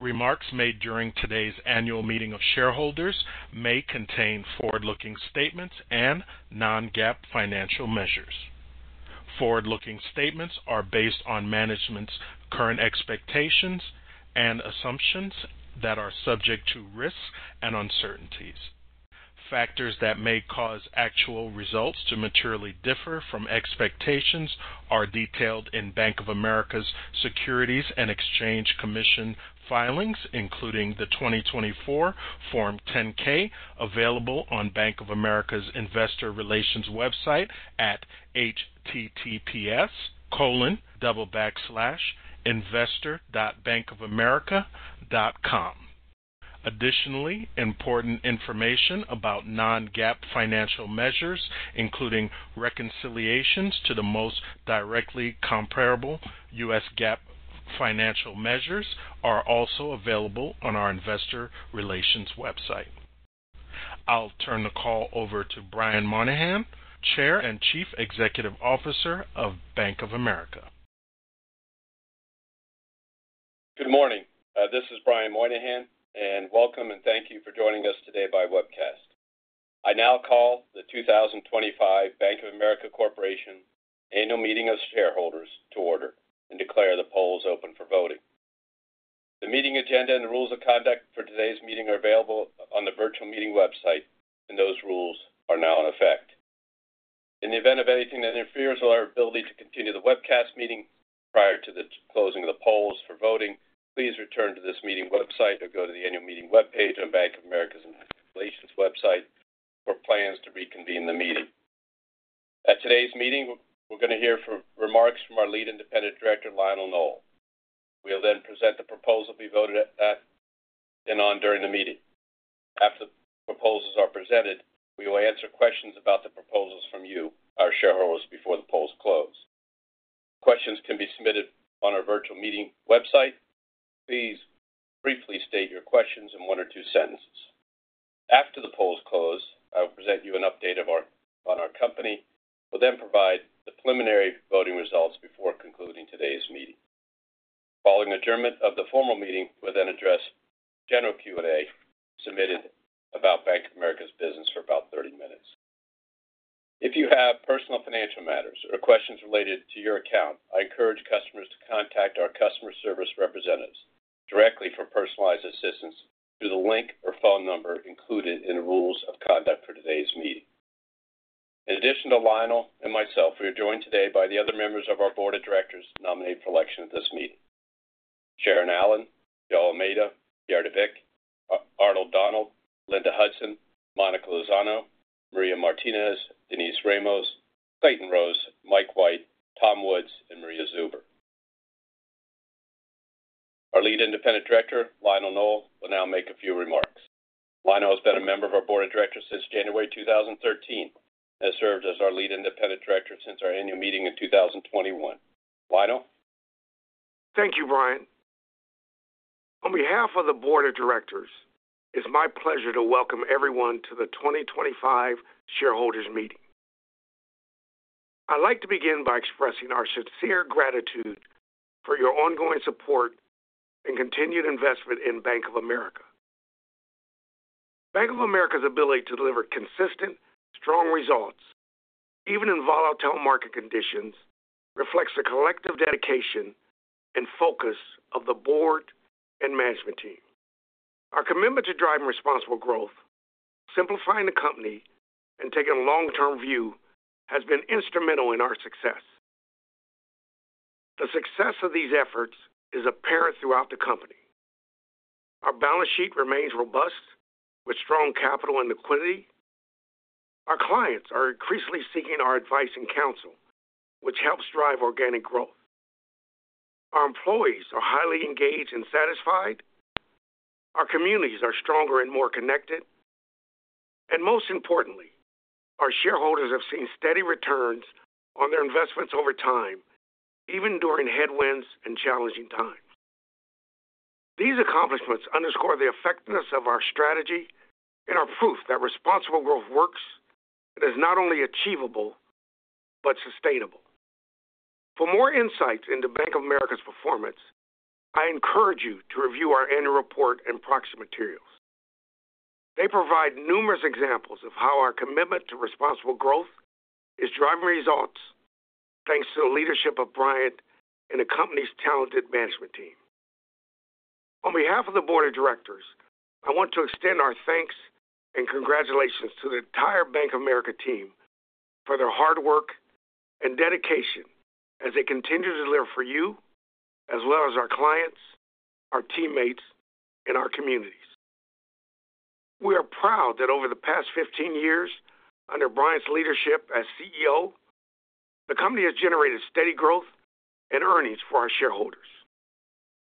Remarks made during today's annual meeting of shareholders may contain forward-looking statements and non-GAAP financial measures. Forward-looking statements are based on management's current expectations and assumptions that are subject to risks and uncertainties. Factors that may cause actual results to materially differ from expectations are detailed in Bank of America's Securities and Exchange Commission filings, including the 2024 Form 10-K available on Bank of America's Investor Relations website at https://investor.bankofamerica.com. Additionally, important information about non-GAAP financial measures, including reconciliations to the most directly comparable U.S. GAAP financial measures, are also available on our Investor Relations website. I'll turn the call over to Brian Moynihan, Chair and Chief Executive Officer of Bank of America. Good morning. This is Brian Moynihan, and welcome and thank you for joining us today by webcast. I now call the 2025 Bank of America Corporation Annual Meeting of Shareholders to order and declare the polls open for voting. The meeting agenda and the rules of conduct for today's meeting are available on the virtual meeting website, and those rules are now in effect. In the event of anything that interferes with our ability to continue the webcast meeting prior to the closing of the polls for voting, please return to this meeting website or go to the annual meeting webpage on Bank of America's Investor Relations website for plans to reconvene the meeting. At today's meeting, we're going to hear remarks from our Lead Independent Director, Lionel L. Nowell III. We'll then present the proposal we voted on during the meeting. After the proposals are presented, we will answer questions about the proposals from you, our shareholders, before the polls close. Questions can be submitted on our virtual meeting website. Please briefly state your questions in one or two sentences. After the polls close, I will present you an update on our company. We'll then provide the preliminary voting results before concluding today's meeting. Following the adjournment of the formal meeting, we'll then address general Q&A submitted about Bank of America's business for about 30 minutes. If you have personal financial matters or questions related to your account, I encourage customers to contact our customer service representatives directly for personalized assistance through the link or phone number included in the rules of conduct for today's meeting. In addition to Lionel and myself, we are joined today by the other members of our board of directors nominated for election at this meeting: Sharon Allen, Joel Armada, Pierre J.P. de Weck, Arnold Donald, Linda Hudson, Monica Lozano, Maria Martinez, Denise Ramos, Clayton Rose, Mike White, Thomas Woods, and Maria Zuber. Our lead independent director, Lionel L. Nowell III, will now make a few remarks. Lionel has been a member of our board of directors since January 2013 and has served as our lead independent director since our annual meeting in 2021. Lionel? Thank you, Brian. On behalf of the board of directors, it's my pleasure to welcome everyone to the 2025 shareholders' meeting. I'd like to begin by expressing our sincere gratitude for your ongoing support and continued investment in Bank of America. Bank of America's ability to deliver consistent, strong results, even in volatile market conditions, reflects the collective dedication and focus of the board and management team. Our commitment to driving responsible growth, simplifying the company, and taking a long-term view has been instrumental in our success. The success of these efforts is apparent throughout the company. Our balance sheet remains robust, with strong capital and liquidity. Our clients are increasingly seeking our advice and counsel, which helps drive organic growth. Our employees are highly engaged and satisfied. Our communities are stronger and more connected. Most importantly, our shareholders have seen steady returns on their investments over time, even during headwinds and challenging times. These accomplishments underscore the effectiveness of our strategy and are proof that responsible growth works and is not only achievable but sustainable. For more insights into Bank of America's performance, I encourage you to review our annual report and proxy materials. They provide numerous examples of how our commitment to responsible growth is driving results, thanks to the leadership of Brian and the company's talented management team. On behalf of the board of directors, I want to extend our thanks and congratulations to the entire Bank of America team for their hard work and dedication as they continue to deliver for you, as well as our clients, our teammates, and our communities. We are proud that over the past 15 years, under Brian's leadership as CEO, the company has generated steady growth and earnings for our shareholders.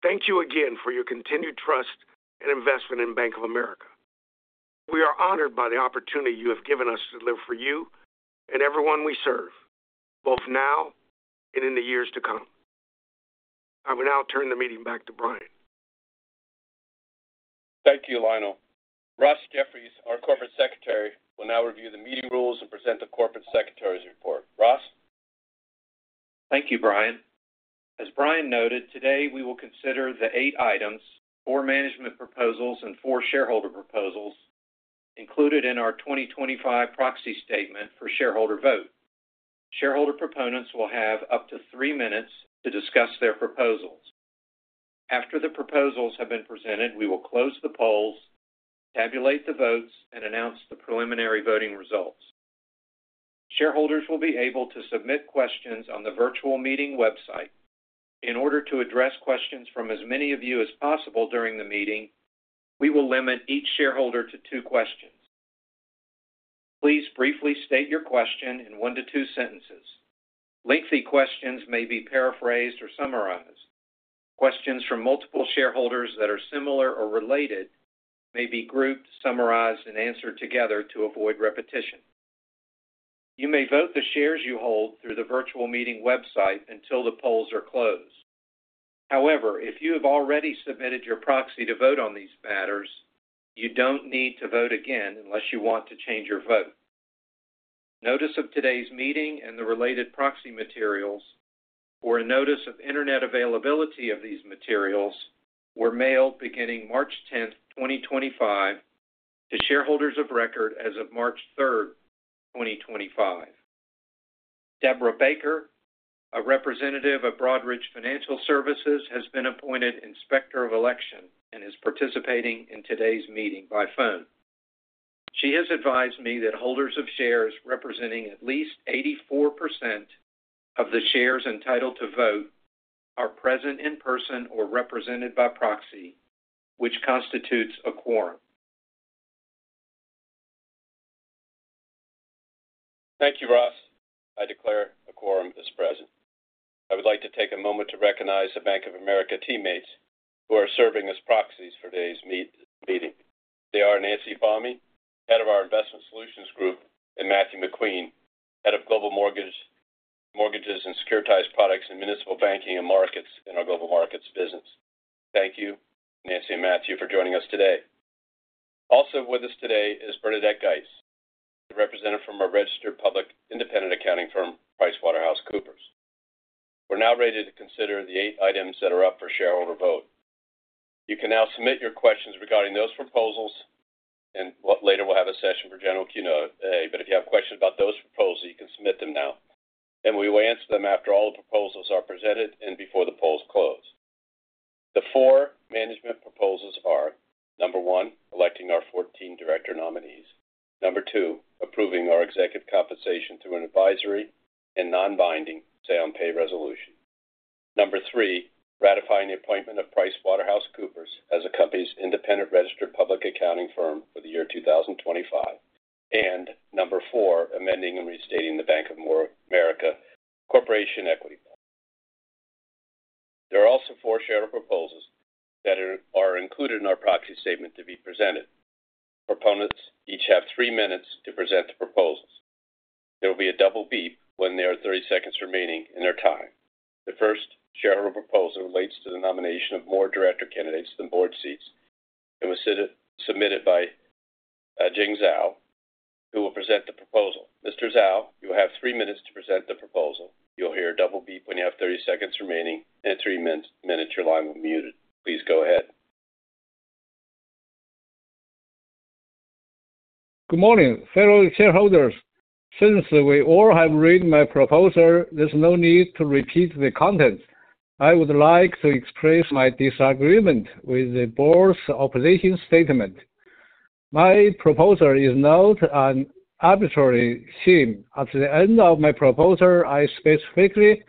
Thank you again for your continued trust and investment in Bank of America. We are honored by the opportunity you have given us to deliver for you and everyone we serve, both now and in the years to come. I will now turn the meeting back to Brian. Thank you, Lionel. Ross Jeffries, our Corporate Secretary, will now review the meeting rules and present the Corporate Secretary's report. Ross? Thank you, Brian. As Brian noted, today we will consider the eight items, four management proposals, and four shareholder proposals included in our 2025 proxy statement for shareholder vote. Shareholder proponents will have up to three minutes to discuss their proposals. After the proposals have been presented, we will close the polls, tabulate the votes, and announce the preliminary voting results. Shareholders will be able to submit questions on the virtual meeting website. In order to address questions from as many of you as possible during the meeting, we will limit each shareholder to two questions. Please briefly state your question in one to two sentences. Lengthy questions may be paraphrased or summarized. Questions from multiple shareholders that are similar or related may be grouped, summarized, and answered together to avoid repetition. You may vote the shares you hold through the virtual meeting website until the polls are closed. However, if you have already submitted your proxy to vote on these matters, you don't need to vote again unless you want to change your vote. Notice of today's meeting and the related proxy materials, or a notice of internet availability of these materials, were mailed beginning March 10, 2025, to shareholders of record as of March 3, 2025. Deborah Bussier, a representative of Broadridge Financial Solutions, has been appointed inspector of election and is participating in today's meeting by phone. She has advised me that holders of shares representing at least 84% of the shares entitled to vote are present in person or represented by proxy, which constitutes a quorum. Thank you, Ross. I declare a quorum is present. I would like to take a moment to recognize the Bank of America teammates who are serving as proxies for today's meeting. They are Nancy Bomme, Head of our Investment Solutions Group, and Matthew McQueen, Head of Global Mortgages and Securitized Products in Municipal Banking and Markets in our Global Markets business. Thank you, Nancy and Matthew, for joining us today. Also with us today is Bernadette Geiss, the representative from a registered public independent accounting firm, PricewaterhouseCoopers. We're now ready to consider the eight items that are up for shareholder vote. You can now submit your questions regarding those proposals, and later we'll have a session for general Q&A. If you have questions about those proposals, you can submit them now, and we will answer them after all the proposals are presented and before the polls close. The four management proposals are: number one, electing our 14 director nominees; number two, approving our executive compensation through an advisory and non-binding stay-on-pay resolution; number three, ratifying the appointment of PricewaterhouseCoopers as the company's independent registered public accounting firm for the year 2025; and number four, amending and restating the Bank of America Corporation Equity Plan. There are also four shareholder proposals that are included in our proxy statement to be presented. Proponents each have three minutes to present the proposals. There will be a double beep when there are 30 seconds remaining in their time. The first shareholder proposal relates to the nomination of more director candidates than board seats and was submitted by Jing Zhao, who will present the proposal. Mr. Zhao, you will have three minutes to present the proposal. You'll hear a double beep when you have 30 seconds remaining, and at three minutes, your line will be muted. Please go ahead. Good morning, fellow shareholders. Since we all have read my proposal, there's no need to repeat the contents. I would like to express my disagreement with the board's opposition statement. My proposal is not an arbitrary scheme. At the end of my proposal, I specifically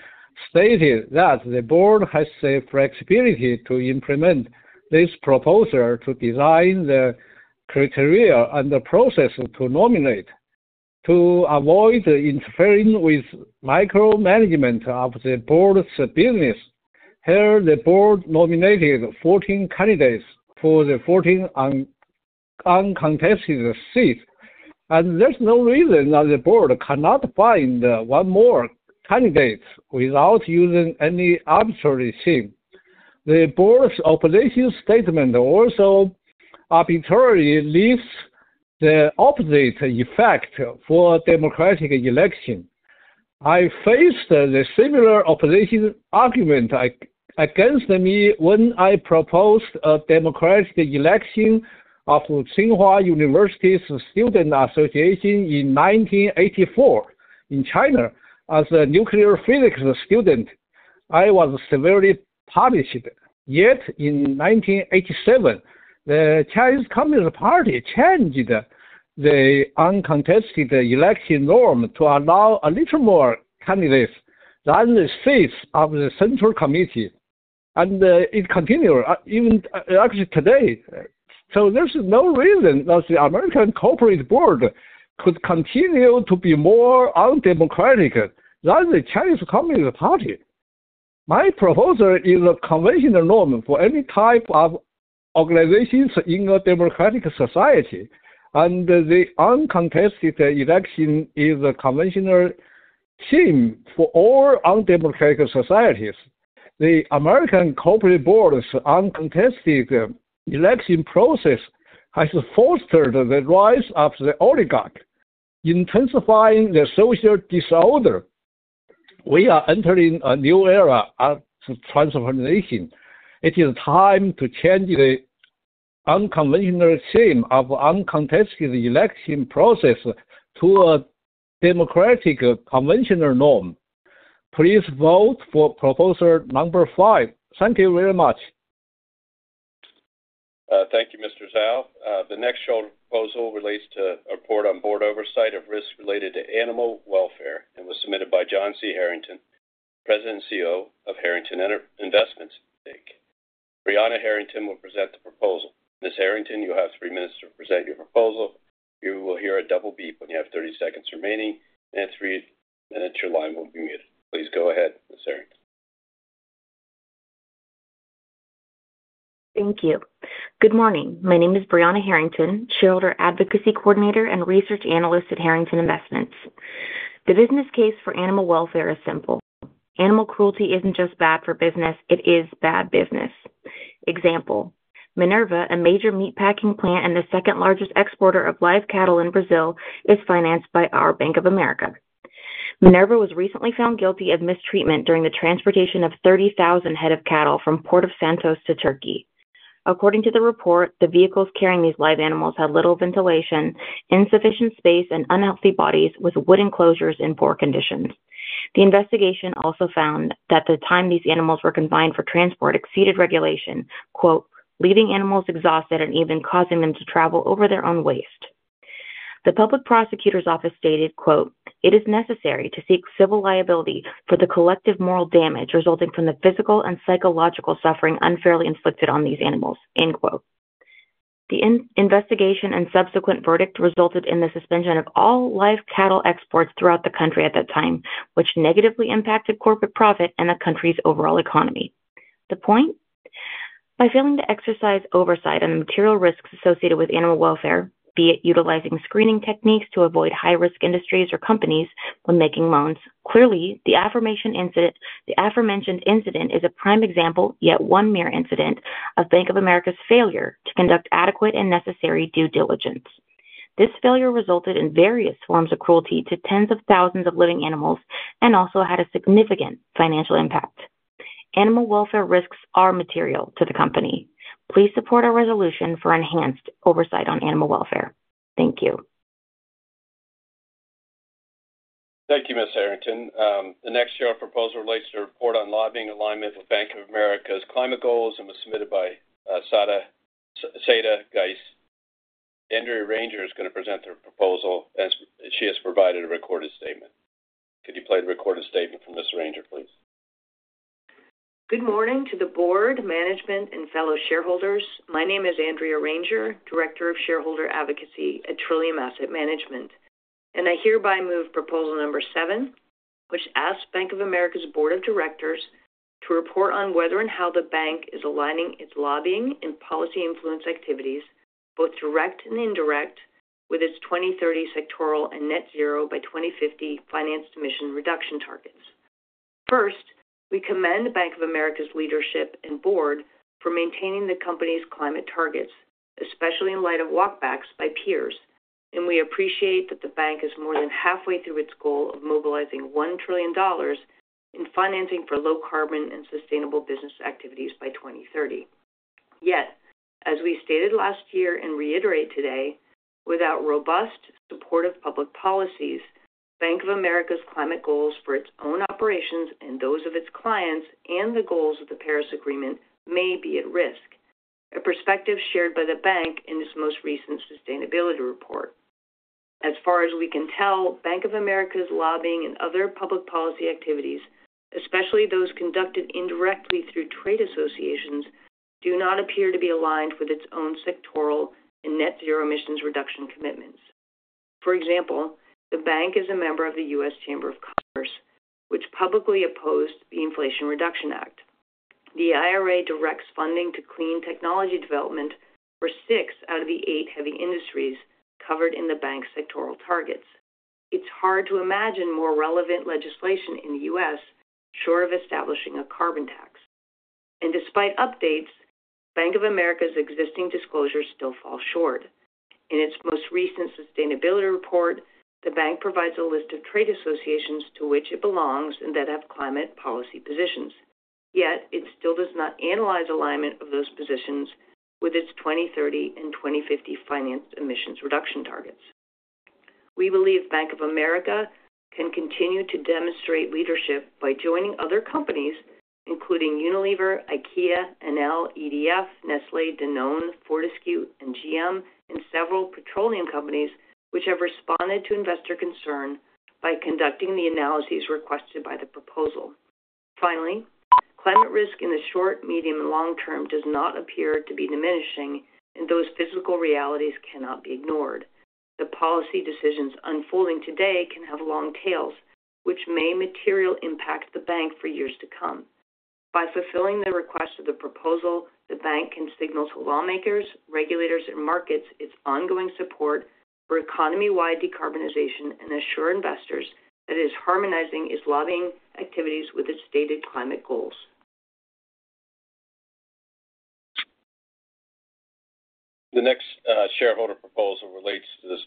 stated that the board has the flexibility to implement this proposal to design the criteria and the process to nominate to avoid interfering with micromanagement of the board's business. Here, the board nominated 14 candidates for the 14 uncontested seats, and there's no reason that the board cannot find one more candidate without using any arbitrary scheme. The board's opposition statement also arbitrarily leaves the opposite effect for a democratic election. I faced the similar opposition argument against me when I proposed a democratic election of Tsinghua University's Student Association in 1984 in China as a nuclear physics student. I was severely punished. Yet in 1987, the Chinese Communist Party changed the uncontested election norm to allow a little more candidates than the seats of the Central Committee, and it continued even actually today. There is no reason that the American corporate board could continue to be more undemocratic than the Chinese Communist Party. My proposal is a conventional norm for any type of organizations in a democratic society, and the uncontested election is a conventional scheme for all undemocratic societies. The American corporate board's uncontested election process has fostered the rise of the oligarch, intensifying the social disorder. We are entering a new era of transformation. It is time to change the unconventional scheme of uncontested election process to a democratic conventional norm. Please vote for proposal number five. Thank you very much. Thank you, Mr. Zhao. The next shareholder proposal relates to a report on board oversight of risks related to animal welfare and was submitted by John C. Harrington, President and CEO of Harrington Investments. Brianna Harrington will present the proposal. Ms. Harrington, you'll have three minutes to present your proposal. You will hear a double beep when you have 30 seconds remaining, and at three minutes, your line will be muted. Please go ahead, Ms. Harrington. Thank you. Good morning. My name is Brianna Harrington, Shareholder Advocacy Coordinator and Research Analyst at Harrington Investments. The business case for animal welfare is simple. Animal cruelty is not just bad for business; it is bad business. Example: Minerva, a major meatpacking plant and the second largest exporter of live cattle in Brazil, is financed by our Bank of America. Minerva was recently found guilty of mistreatment during the transportation of 30,000 head of cattle from Port of Santos to Turkey. According to the report, the vehicles carrying these live animals had little ventilation, insufficient space, and unhealthy bodies with wooden closures in poor conditions. The investigation also found that the time these animals were confined for transport exceeded regulation, "leaving animals exhausted and even causing them to travel over their own waste." The public prosecutor's office stated, "it is necessary to seek civil liability for the collective moral damage resulting from the physical and psychological suffering unfairly inflicted on these animals." The investigation and subsequent verdict resulted in the suspension of all live cattle exports throughout the country at that time, which negatively impacted corporate profit and the country's overall economy. The point: by failing to exercise oversight on the material risks associated with animal welfare, be it utilizing screening techniques to avoid high-risk industries or companies when making loans, clearly the aforementioned incident is a prime example, yet one mere incident, of Bank of America's failure to conduct adequate and necessary due diligence. This failure resulted in various forms of cruelty to tens of thousands of living animals and also had a significant financial impact. Animal welfare risks are material to the company. Please support our resolution for enhanced oversight on animal welfare. Thank you. Thank you, Ms. Harrington. The next shareholder proposal relates to a report on lobbying alignment with Bank of America's climate goals and was submitted by Sada Sada Geise. Andrea Ranger is going to present the proposal, and she has provided a recorded statement. Could you play the recorded statement from Ms. Ranger, please? Good morning to the board, management, and fellow shareholders. My name is Andrea Ranger, Director of Shareholder Advocacy at Trillium Asset Management, and I hereby move proposal number seven, which asks Bank of America's Board of Directors to report on whether and how the bank is aligning its lobbying and policy influence activities, both direct and indirect, with its 2030 sectoral and net-zero-by-2050 finance mission reduction targets. First, we commend Bank of America's leadership and board for maintaining the company's climate targets, especially in light of walkbacks by peers, and we appreciate that the bank is more than halfway through its goal of mobilizing $1 trillion in financing for low-carbon and sustainable business activities by 2030. Yet, as we stated last year and reiterate today, without robust, supportive public policies, Bank of America's climate goals for its own operations and those of its clients and the goals of the Paris Agreement may be at risk, a perspective shared by the bank in its most recent sustainability report. As far as we can tell, Bank of America's lobbying and other public policy activities, especially those conducted indirectly through trade associations, do not appear to be aligned with its own sectoral and net-zero emissions reduction commitments. For example, the bank is a member of the U.S. Chamber of Commerce, which publicly opposed the Inflation Reduction Act. The IRA directs funding to clean technology development for six out of the eight heavy industries covered in the bank's sectoral targets. It's hard to imagine more relevant legislation in the U.S. short of establishing a carbon tax. Despite updates, Bank of America's existing disclosures still fall short. In its most recent sustainability report, the bank provides a list of trade associations to which it belongs and that have climate policy positions. Yet it still does not analyze alignment of those positions with its 2030 and 2050 finance emissions reduction targets. We believe Bank of America can continue to demonstrate leadership by joining other companies, including Unilever, IKEA, NL, EDF, Nestlé, Danone, Fortescue, and GM, and several petroleum companies which have responded to investor concern by conducting the analyses requested by the proposal. Finally, climate risk in the short, medium, and long term does not appear to be diminishing, and those physical realities cannot be ignored. The policy decisions unfolding today can have long tails, which may materially impact the bank for years to come. By fulfilling the request of the proposal, the bank can signal to lawmakers, regulators, and markets its ongoing support for economy-wide decarbonization and assure investors that it is harmonizing its lobbying activities with its stated climate goals. The next shareholder proposal relates to the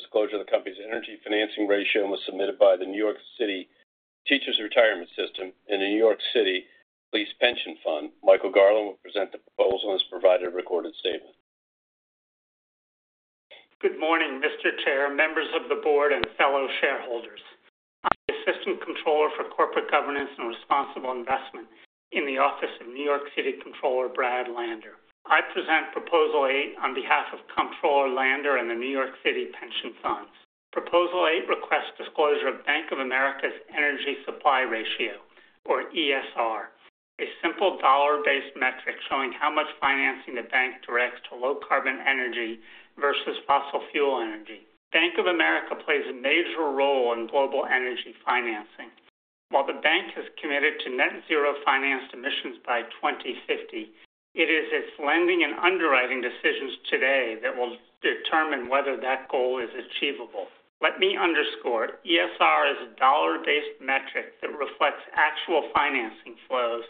disclosure of the company's energy financing ratio and was submitted by the New York City Teachers' Retirement System and the New York City Police Pension Fund. Michael Garland will present the proposal and has provided a recorded statement. Good morning, Mr. Chair, members of the board, and fellow shareholders. I'm the Assistant Comptroller for Corporate Governance and Responsible Investment in the Office of New York City Comptroller Brad Lander. I present Proposal 8 on behalf of Controller Lander and the New York City Pension Funds. Proposal 8 requests disclosure of Bank of America's Energy Supply Ratio, or ESR, a simple dollar-based metric showing how much financing the bank directs to low-carbon energy versus fossil fuel energy. Bank of America plays a major role in global energy financing. While the bank has committed to net-zero finance emissions by 2050, it is its lending and underwriting decisions today that will determine whether that goal is achievable. Let me underscore: ESR is a dollar-based metric that reflects actual financing flows,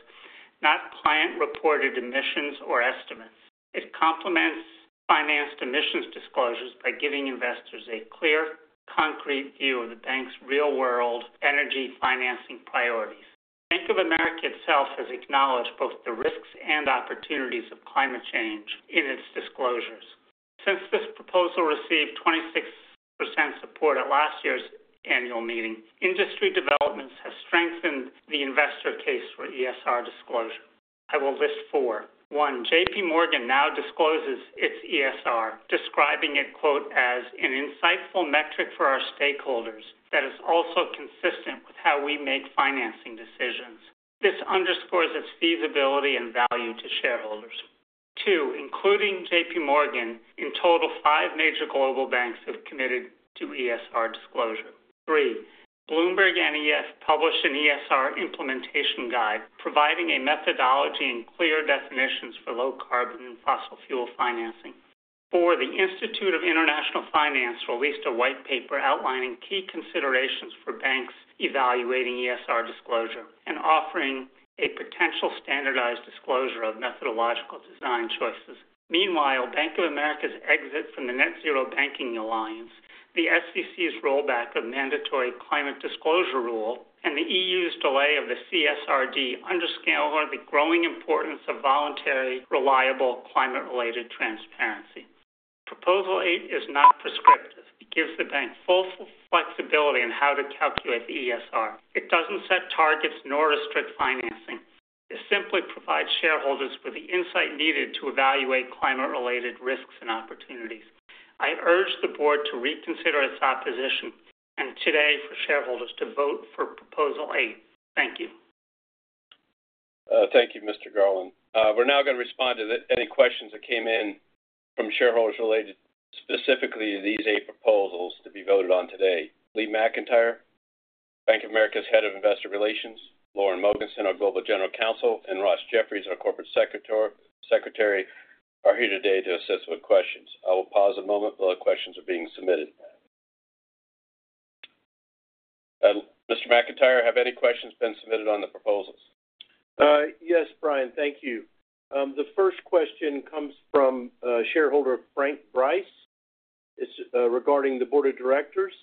not client-reported emissions or estimates. It complements finance emissions disclosures by giving investors a clear, concrete view of the bank's real-world energy financing priorities. Bank of America itself has acknowledged both the risks and opportunities of climate change in its disclosures. Since this proposal received 26% support at last year's annual meeting, industry developments have strengthened the investor case for ESR disclosure. I will list four. One, JPMorgan now discloses its ESR, describing it, quote, as an insightful metric for our stakeholders that is also consistent with how we make financing decisions. This underscores its feasibility and value to shareholders. Two, including JPMorgan, in total, five major global banks have committed to ESR disclosure. Three, Bloomberg and EDF published an ESR implementation guide, providing a methodology and clear definitions for low-carbon and fossil fuel financing. Four, the Institute of International Finance released a white paper outlining key considerations for banks evaluating ESR disclosure and offering a potential standardized disclosure of methodological design choices. Meanwhile, Bank of America's exit from the net-zero banking alliance, the SEC's rollback of mandatory climate disclosure rule, and the EU's delay of the CSRD underscore the growing importance of voluntary, reliable climate-related transparency. Proposal 8 is not prescriptive. It gives the bank full flexibility in how to calculate the ESR. It doesn't set targets nor restrict financing. It simply provides shareholders with the insight needed to evaluate climate-related risks and opportunities. I urge the board to reconsider its opposition and today for shareholders to vote for Proposal 8. Thank you. Thank you, Mr. Garland. We're now going to respond to any questions that came in from shareholders related specifically to these eight proposals to be voted on today. Lee McEntire, Bank of America's Head of Investor Relations, Lauren Mogenson, our Global General Counsel, and Ross Jeffries, our Corporate Secretary, are here today to assist with questions. I will pause a moment while the questions are being submitted. Mr. McEntire, have any questions been submitted on the proposals? Yes, Brian, thank you. The first question comes from shareholder Frank Bryce. It's regarding the board of directors.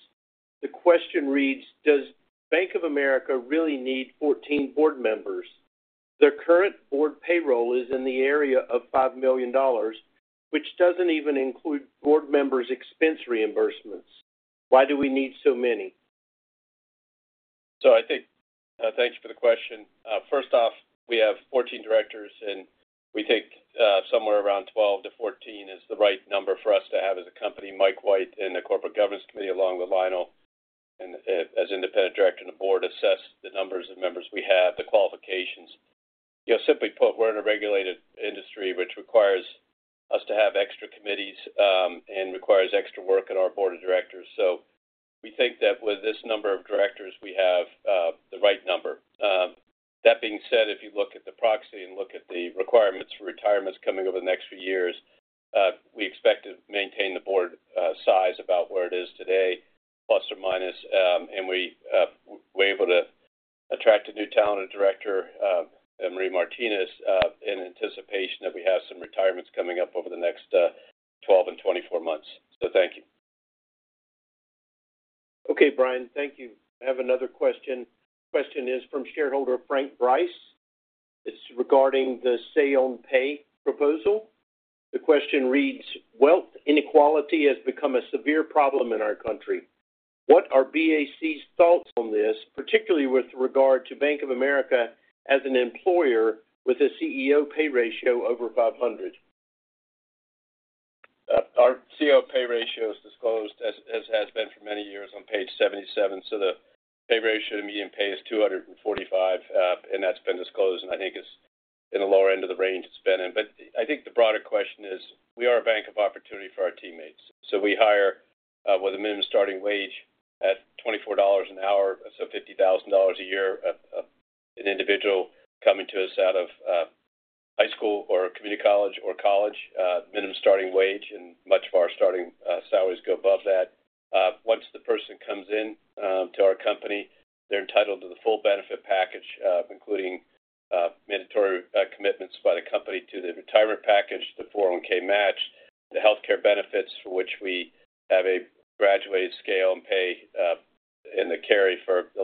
The question reads, "Does Bank of America really need 14 board members? Their current board payroll is in the area of $5 million, which doesn't even include board members' expense reimbursements. Why do we need so many? Thank you for the question. First off, we have 14 directors, and we think somewhere around 12 to 14 is the right number for us to have as a company. Mike White in the Corporate Governance Committee along with Lionel as independent director on the board assessed the numbers of members we have, the qualifications. Simply put, we're in a regulated industry which requires us to have extra committees and requires extra work on our board of directors. We think that with this number of directors, we have the right number. That being said, if you look at the proxy and look at the requirements for retirements coming over the next few years, we expect to maintain the board size about where it is today, plus or minus, and we're able to attract a new talented director, Maria Martinez, in anticipation that we have some retirements coming up over the next 12 and 24 months. Thank you. Okay, Brian, thank you. I have another question. The question is from shareholder Frank Bryce. It's regarding the Say-on-Pay proposal. The question reads, "Wealth inequality has become a severe problem in our country. What are BAC's thoughts on this, particularly with regard to Bank of America as an employer with a CEO pay ratio over 500? Our CEO pay ratio is disclosed, as has been for many years, on page 77. The pay ratio to median pay is 245, and that's been disclosed, and I think it's in the lower end of the range it's been in. I think the broader question is, we are a bank of opportunity for our teammates. We hire with a minimum starting wage at $24 an hour, $50,000 a year, an individual coming to us out of high school or community college or college, minimum starting wage, and much of our starting salaries go above that. Once the person comes into our company, they're entitled to the full benefit package, including mandatory commitments by the company to the retirement package, the 401(k) match, the healthcare benefits, for which we have a graduated scale and pay in the carry for the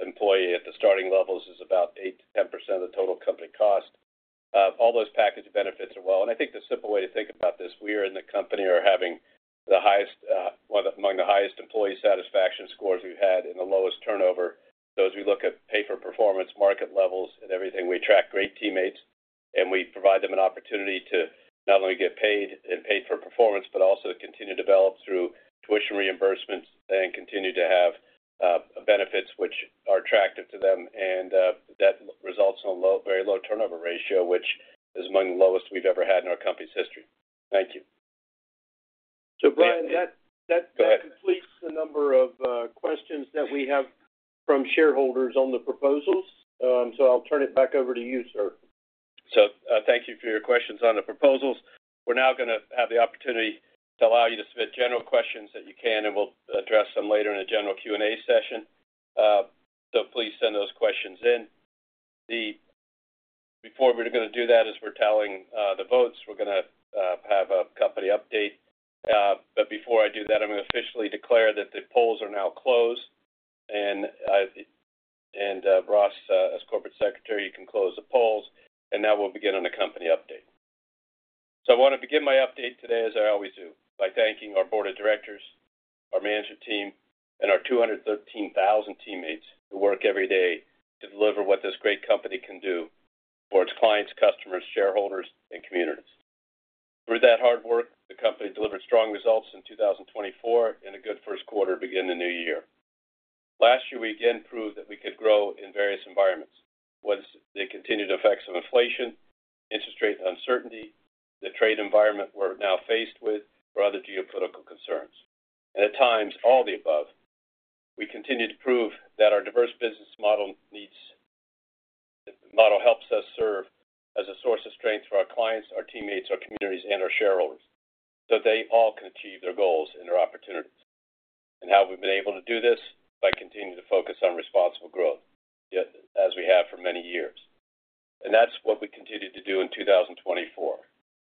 employee at the starting levels is about 8%-10% of the total company cost. All those package benefits are well. I think the simple way to think about this, we are in the company or having among the highest employee satisfaction scores we've had and the lowest turnover. As we look at pay-for-performance market levels and everything, we attract great teammates, and we provide them an opportunity to not only get paid and pay-for-performance but also continue to develop through tuition reimbursements and continue to have benefits which are attractive to them. That results in a very low turnover ratio, which is among the lowest we've ever had in our company's history. Thank you. Brian, that completes the number of questions that we have from shareholders on the proposals. I'll turn it back over to you, sir. Thank you for your questions on the proposals. We are now going to have the opportunity to allow you to submit general questions that you can, and we will address them later in a general Q&A session. Please send those questions in. Before we are going to do that, as we are tallying the votes, we are going to have a company update. Before I do that, I am going to officially declare that the polls are now closed. Ross, as Corporate Secretary, you can close the polls. Now we will begin on a company update. I want to begin my update today, as I always do, by thanking our board of directors, our management team, and our 213,000 teammates who work every day to deliver what this great company can do for its clients, customers, shareholders, and communities. Through that hard work, the company delivered strong results in 2024 and a good first quarter beginning the new year. Last year, we again proved that we could grow in various environments with the continued effects of inflation, interest rate uncertainty, the trade environment we're now faced with, or other geopolitical concerns. At times, all the above, we continue to prove that our diverse business model helps us serve as a source of strength for our clients, our teammates, our communities, and our shareholders so they all can achieve their goals and their opportunities. How we've been able to do this? By continuing to focus on responsible growth, as we have for many years. That's what we continue to do in 2024.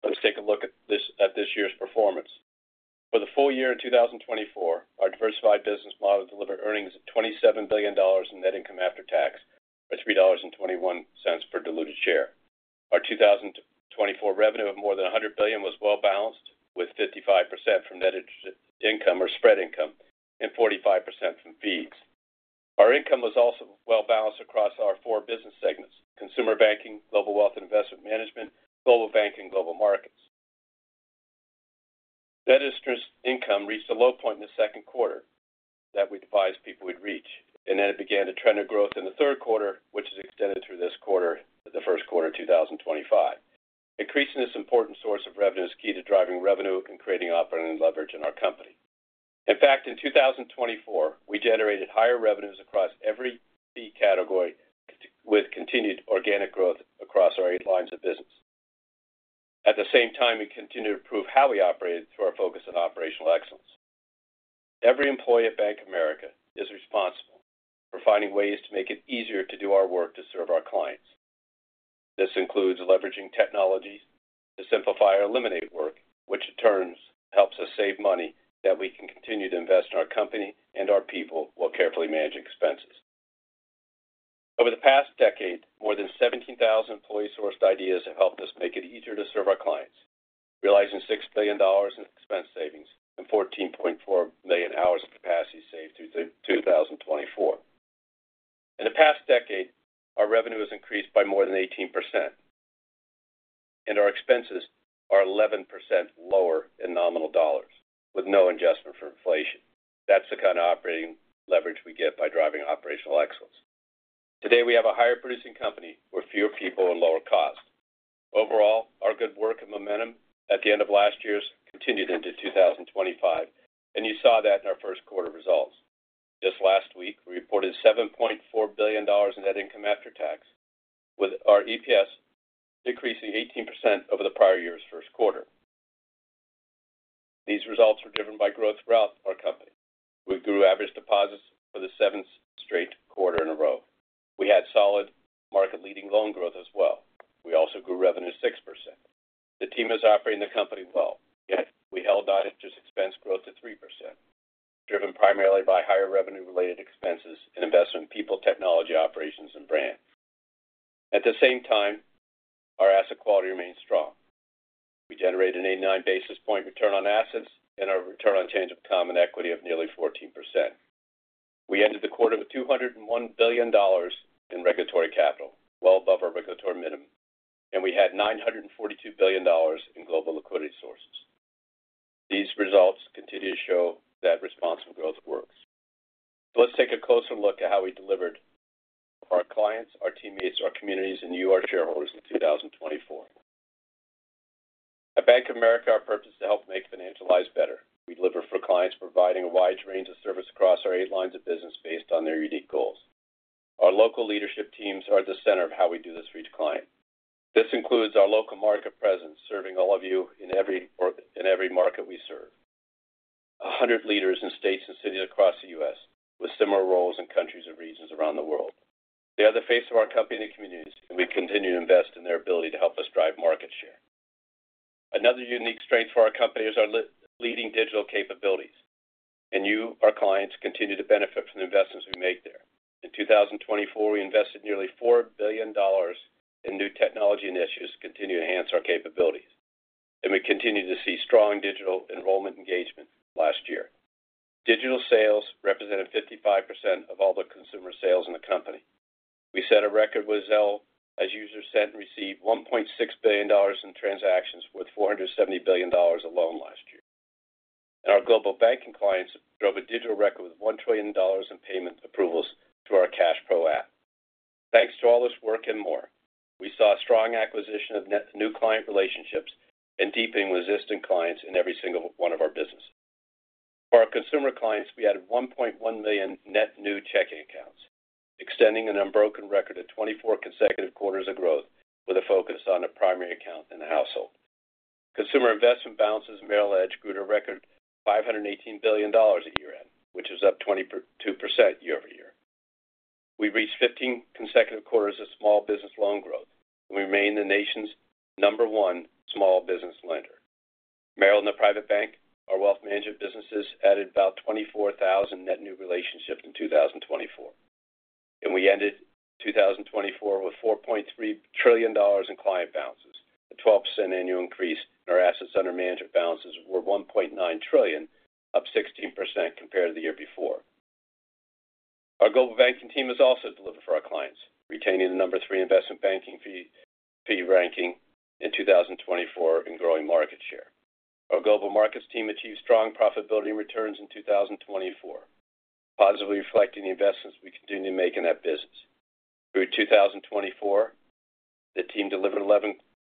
Let's take a look at this year's performance. For the full year in 2024, our diversified business model delivered earnings of $27 billion in net income after tax or $3.21 per diluted share. Our 2024 revenue of more than $100 billion was well-balanced with 55% from net income or spread income and 45% from fees. Our income was also well-balanced across our four business segments: consumer banking, global wealth and investment management, global banking, and global markets. Net interest income reached a low point in the second quarter that we devised people would reach, and then it began to trend a growth in the third quarter, which has extended through this quarter to the first quarter of 2025. Increasing this important source of revenue is key to driving revenue and creating operating leverage in our company. In fact, in 2024, we generated higher revenues across every fee category with continued organic growth across our eight lines of business. At the same time, we continue to prove how we operate through our focus on operational excellence. Every employee at Bank of America is responsible for finding ways to make it easier to do our work to serve our clients. This includes leveraging technology to simplify or eliminate work, which in turn helps us save money that we can continue to invest in our company and our people while carefully managing expenses. Over the past decade, more than 17,000 employee-sourced ideas have helped us make it easier to serve our clients, realizing $6 billion in expense savings and 14.4 million hours of capacity saved through 2024. In the past decade, our revenue has increased by more than 18%, and our expenses are 11% lower in nominal dollars with no adjustment for inflation. That's the kind of operating leverage we get by driving operational excellence. Today, we have a higher-producing company with fewer people and lower costs. Overall, our good work and momentum at the end of last year continued into 2025, and you saw that in our first quarter results. Just last week, we reported $7.4 billion in net income after tax, with our EPS increasing 18% over the prior year's first quarter. These results were driven by growth throughout our company. We grew average deposits for the seventh straight quarter in a row. We had solid market-leading loan growth as well. We also grew revenue 6%. The team is operating the company well, yet we held on to expense growth to 3%, driven primarily by higher revenue-related expenses and investment in people, technology, operations, and brands. At the same time, our asset quality remained strong. We generated an 89 basis point return on assets and a return on common equity of nearly 14%. We ended the quarter with $201 billion in regulatory capital, well above our regulatory minimum, and we had $942 billion in global liquidity sources. These results continue to show that responsible growth works. Let's take a closer look at how we delivered for our clients, our teammates, our communities, and you, our shareholders in 2024. At Bank of America, our purpose is to help make financial lives better. We deliver for clients, providing a wide range of service across our eight lines of business based on their unique goals. Our local leadership teams are at the center of how we do this for each client. This includes our local market presence, serving all of you in every market we serve, 100 leaders in states and cities across the U.S. with similar roles in countries and regions around the world. They are the face of our company and the communities, and we continue to invest in their ability to help us drive market share. Another unique strength for our company is our leading digital capabilities, and you, our clients, continue to benefit from the investments we make there. In 2024, we invested nearly $4 billion in new technology initiatives to continue to enhance our capabilities, and we continue to see strong digital enrollment engagement last year. Digital sales represented 55% of all the consumer sales in the company. We set a record with Zelle as users sent and received $1.6 billion in transactions with $470 billion alone last year. Our global banking clients drove a digital record with $1 trillion in payment approvals through our CashPro app. Thanks to all this work and more, we saw a strong acquisition of new client relationships and deepening resistant clients in every single one of our businesses. For our consumer clients, we added 1.1 million net new checking accounts, extending an unbroken record of 24 consecutive quarters of growth with a focus on the primary account and the household. Consumer investment balances in Merrill Ledger grew to a record $518 billion at year-end, which is up 22% year-over-year. We reached 15 consecutive quarters of small business loan growth, and we remain the nation's number one small business lender. Merrill and the private bank, our wealth management businesses, added about 24,000 net new relationships in 2024. We ended 2024 with $4.3 trillion in client balances, a 12% annual increase, and our assets under management balances were $1.9 trillion, up 16% compared to the year before. Our global banking team has also delivered for our clients, retaining the number three investment banking fee ranking in 2024 and growing market share. Our global markets team achieved strong profitability returns in 2024, positively reflecting the investments we continue to make in that business. Through 2024, the team delivered 11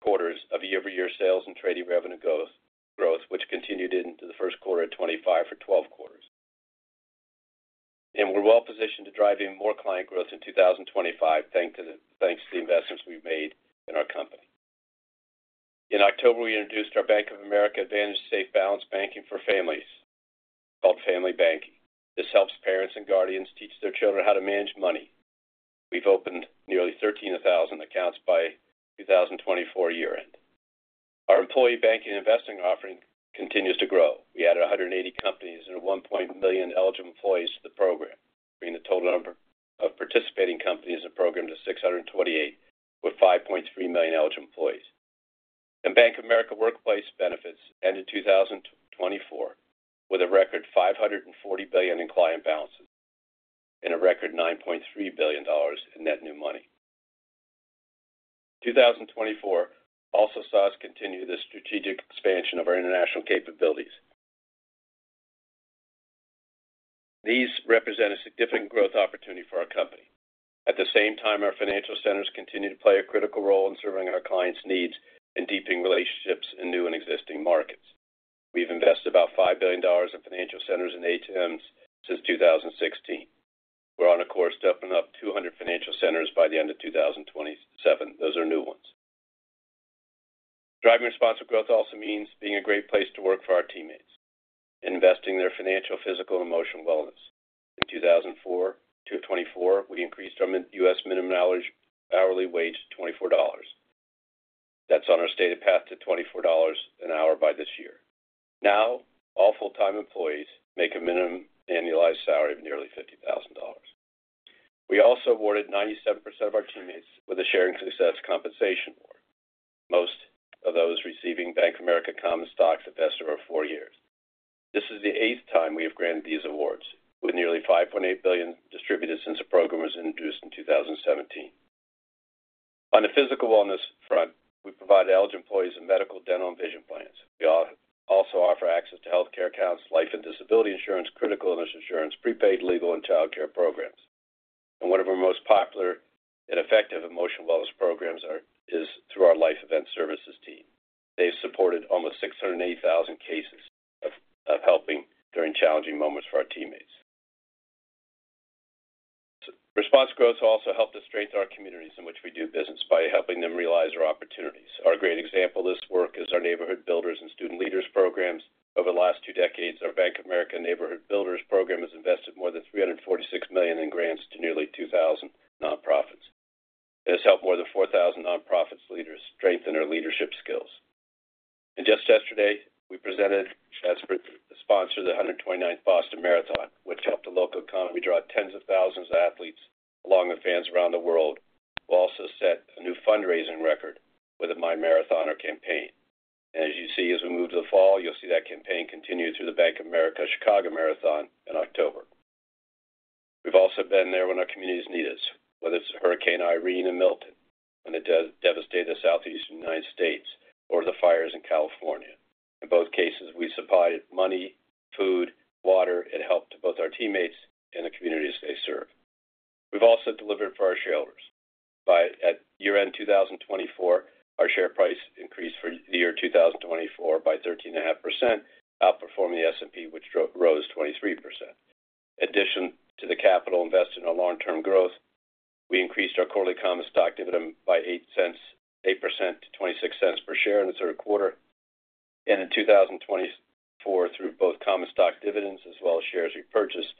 quarters of year-over-year sales and trading revenue growth, which continued into the first quarter of 2025 for 12 quarters. We are well-positioned to drive even more client growth in 2025 thanks to the investments we have made in our company. In October, we introduced our Bank of America Advantage Safe Balance Banking for families, called family banking. This helps parents and guardians teach their children how to manage money. We've opened nearly 13,000 accounts by 2024 year-end. Our employee banking investing offering continues to grow. We added 180 companies and 1.1 million eligible employees to the program, bringing the total number of participating companies in the program to 628, with 5.3 million eligible employees. Bank of America Workplace Benefits ended 2024 with a record $540 billion in client balances and a record $9.3 billion in net new money. 2024 also saw us continue the strategic expansion of our international capabilities. These represent a significant growth opportunity for our company. At the same time, our financial centers continue to play a critical role in serving our clients' needs and deepening relationships in new and existing markets. We've invested about $5 billion in financial centers and ATMs since 2016. We're on a course to open up 200 financial centers by the end of 2027. Those are new ones. Driving responsible growth also means being a great place to work for our teammates, investing in their financial, physical, and emotional wellness. In 2024, we increased our US minimum hourly wage to $24. That's on our stated path to $24 an hour by this year. Now, all full-time employees make a minimum annualized salary of nearly $50,000. We also awarded 97% of our teammates with a sharing success compensation award, most of those receiving Bank of America common stock vesting over four years. This is the eighth time we have granted these awards, with nearly $5.8 billion distributed since the program was introduced in 2017. On the physical wellness front, we provide eligible employees with medical, dental, and vision plans. We also offer access to healthcare accounts, life and disability insurance, critical illness insurance, prepaid legal, and childcare programs. One of our most popular and effective emotional wellness programs is through our life event services team. They've supported almost 680,000 cases of helping during challenging moments for our teammates. Responsible growth also helped us strengthen our communities in which we do business by helping them realize our opportunities. A great example of this work is our Neighborhood Builders and Student Leaders programs. Over the last two decades, our Bank of America Neighborhood Builders program has invested more than $346 million in grants to nearly 2,000 nonprofits. It has helped more than 4,000 nonprofit leaders strengthen their leadership skills. Just yesterday, we presented as the sponsor of the 129th Boston Marathon, which helped the local economy draw tens of thousands of athletes along with fans around the world. We also set a new fundraising record with a My Marathon campaign. As you see, as we move to the fall, you'll see that campaign continue through the Bank of America Chicago Marathon in October. We've also been there when our communities need us, whether it's Hurricane Helene in Milton when it devastated the Southeast United States or the fires in California. In both cases, we supplied money, food, water, and helped both our teammates and the communities they serve. We've also delivered for our shareholders. At year-end 2024, our share price increased for the year 2024 by 13.5%, outperforming the S&P, which rose 23%. In addition to the capital invested in our long-term growth, we increased our quarterly common stock dividend by 8% to $0.26 per share in the third quarter. In 2024, through both common stock dividends as well as shares we purchased,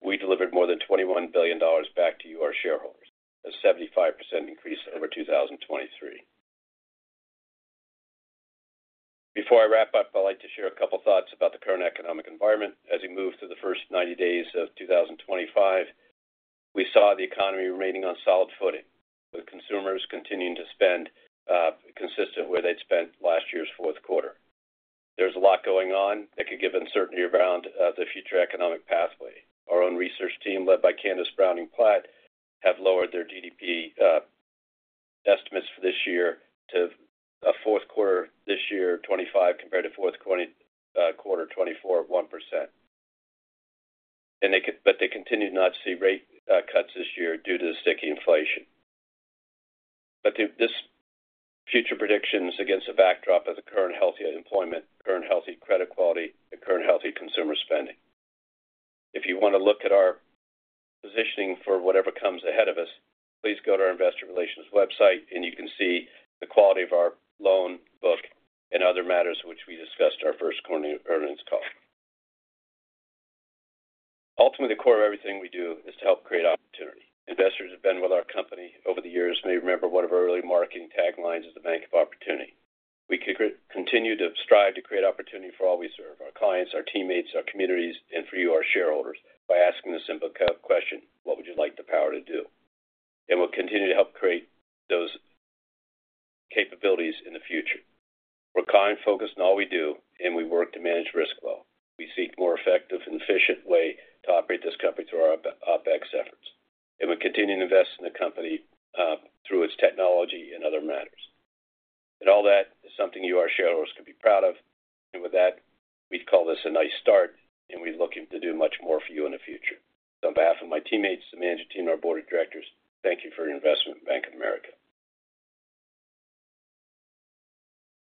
we delivered more than $21 billion back to you, our shareholders, a 75% increase over 2023. Before I wrap up, I'd like to share a couple of thoughts about the current economic environment. As we move through the first 90 days of 2025, we saw the economy remaining on solid footing, with consumers continuing to spend consistent with where they'd spent last year's fourth quarter. There's a lot going on that could give uncertainty around the future economic pathway. Our own research team, led by Candice Browning-Platt, has lowered their GDP estimates for this year to a fourth quarter this year, 2025, compared to fourth quarter 2024 of 1%. They continue not to see rate cuts this year due to the sticky inflation. This future prediction is against the backdrop of the current healthy employment, current healthy credit quality, and current healthy consumer spending. If you want to look at our positioning for whatever comes ahead of us, please go to our investor relations website, and you can see the quality of our loan book and other matters which we discussed our first quarterly earnings call. Ultimately, the core of everything we do is to help create opportunity. Investors who have been with our company over the years may remember one of our early marketing taglines as the bank of opportunity. We continue to strive to create opportunity for all we serve: our clients, our teammates, our communities, and for you, our shareholders, by asking the simple question, "What would you like the power to do?" We will continue to help create those capabilities in the future. We're client-focused in all we do, and we work to manage risk well. We seek a more effective and efficient way to operate this company through our OpEx efforts. We continue to invest in the company through its technology and other matters. All that is something you, our shareholders, can be proud of. With that, we'd call this a nice start, and we're looking to do much more for you in the future. On behalf of my teammates, the management team, and our board of directors, thank you for your investment in Bank of America.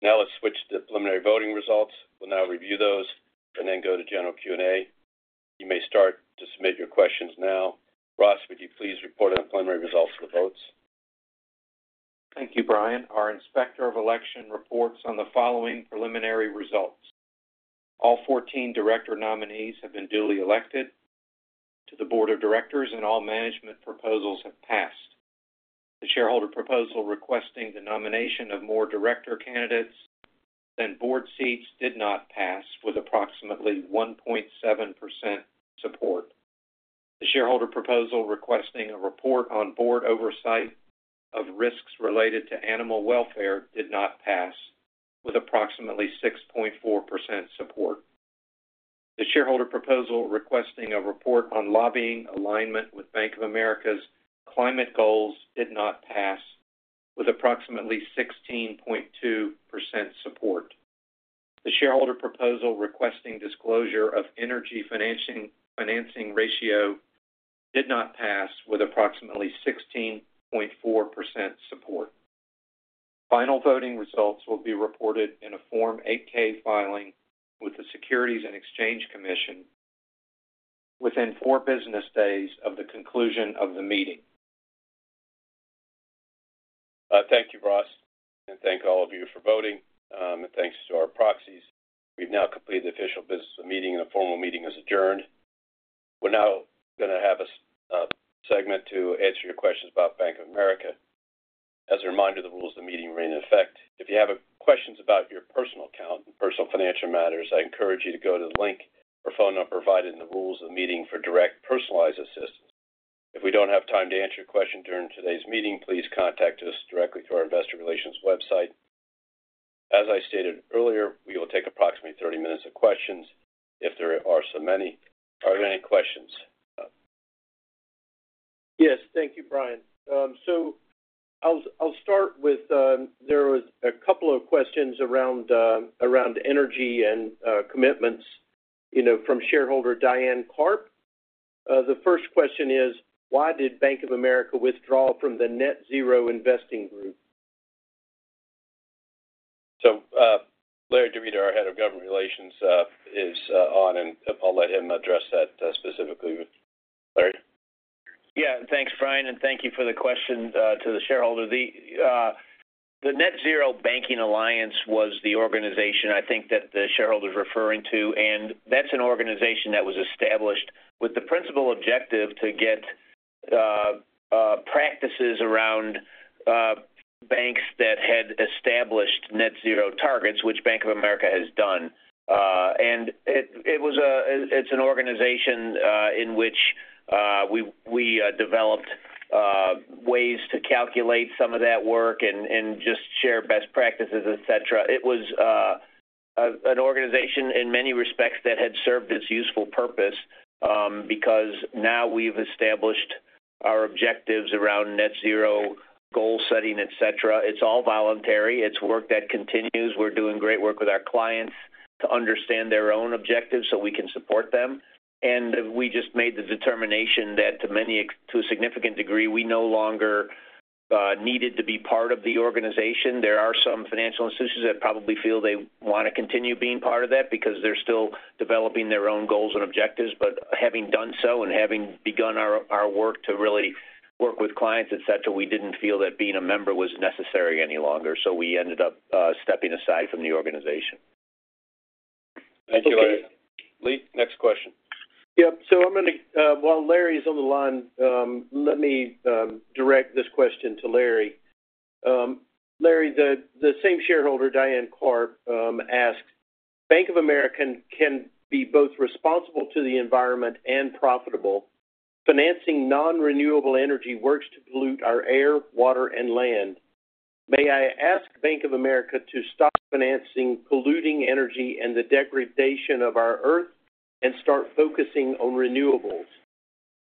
Now let's switch to the preliminary voting results. We'll now review those and then go to general Q&A. You may start to submit your questions now. Ross, would you please report on the preliminary results of the votes? Thank you, Brian. Our inspector of election reports on the following preliminary results. All 14 director nominees have been duly elected to the board of directors, and all management proposals have passed. The shareholder proposal requesting the nomination of more director candidates and board seats did not pass with approximately 1.7% support. The shareholder proposal requesting a report on board oversight of risks related to animal welfare did not pass with approximately 6.4% support. The shareholder proposal requesting a report on lobbying alignment with Bank of America's climate goals did not pass with approximately 16.2% support. The shareholder proposal requesting disclosure of energy financing ratio did not pass with approximately 16.4% support. Final voting results will be reported in a Form 8K filing with the Securities and Exchange Commission within four business days of the conclusion of the meeting. Thank you, Ross, and thank all of you for voting. Thanks to our proxies. We've now completed the official business of the meeting, and the formal meeting is adjourned. We're now going to have a segment to answer your questions about Bank of America. As a reminder, the rules of the meeting remain in effect. If you have questions about your personal account and personal financial matters, I encourage you to go to the link or phone number provided in the rules of the meeting for direct personalized assistance. If we don't have time to answer your question during today's meeting, please contact us directly through our investor relations website. As I stated earlier, we will take approximately 30 minutes of questions if there are so many. Are there any questions? Yes, thank you, Brian. I'll start with there were a couple of questions around energy and commitments from shareholder Diane Karp. The first question is, why did Bank of America withdraw from the Net Zero Investing Group? Larry Di Rita, our Head of Government Relations, is on, and I 'll let him address that specifically. Larry? Yeah, thanks, Brian, and thank you for the question to the shareholder. The Net-Zero Banking Alliance was the organization, I think, that the shareholder is referring to. That is an organization that was established with the principal objective to get practices around banks that had established Net-Zero targets, which Bank of America has done. It is an organization in which we developed ways to calculate some of that work and just share best practices, etc. It was an organization in many respects that had served its useful purpose because now we've established our objectives around Net-Zero goal setting, etc. It's all voluntary. It's work that continues. We're doing great work with our clients to understand their own objectives so we can support them. We just made the determination that to a significant degree, we no longer needed to be part of the organization. There are some financial institutions that probably feel they want to continue being part of that because they're still developing their own goals and objectives. Having done so and having begun our work to really work with clients, etc., we didn't feel that being a member was necessary any longer. We ended up stepping aside from the organization. Thank you, Larry. Lee, next question. Yep. While Larry is on the line, let me direct this question to Larry. Larry, the same shareholder, Diane Karp, asked, "Bank of America can be both responsible to the environment and profitable. Financing non-renewable energy works to pollute our air, water, and land. May I ask Bank of America to stop financing polluting energy and the degradation of our earth and start focusing on renewables?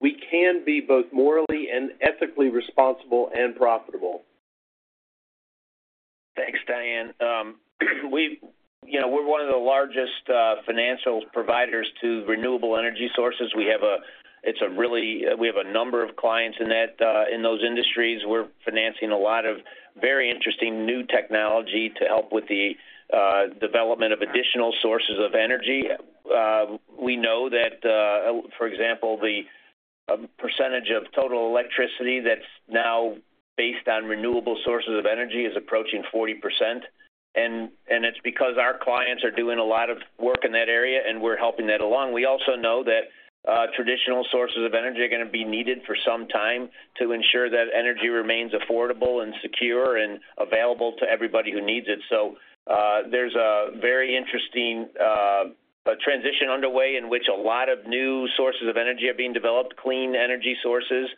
We can be both morally and ethically responsible and profitable. Thanks, Diane. We're one of the largest financial providers to renewable energy sources. We have a really—we have a number of clients in those industries. We're financing a lot of very interesting new technology to help with the development of additional sources of energy. We know that, for example, the percentage of total electricity that's now based on renewable sources of energy is approaching 40%. It is because our clients are doing a lot of work in that area, and we're helping that along. We also know that traditional sources of energy are going to be needed for some time to ensure that energy remains affordable and secure and available to everybody who needs it. There's a very interesting transition underway in which a lot of new sources of energy are being developed, clean energy sources.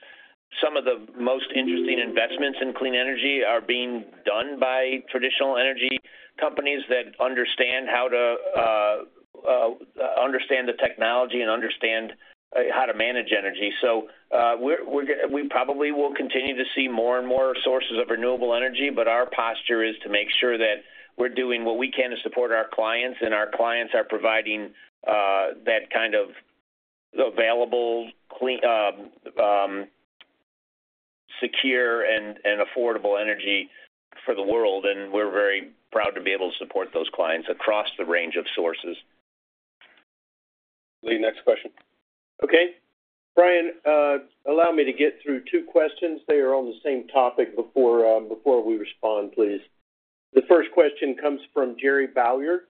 Some of the most interesting investments in clean energy are being done by traditional energy companies that understand how to understand the technology and understand how to manage energy. We probably will continue to see more and more sources of renewable energy, but our posture is to make sure that we're doing what we can to support our clients, and our clients are providing that kind of available, secure, and affordable energy for the world. We're very proud to be able to support those clients across the range of sources. Lee, next question. Okay. Brian, allow me to get through two questions. They are on the same topic before we respond, please. The first question comes from Jerry Bowyer.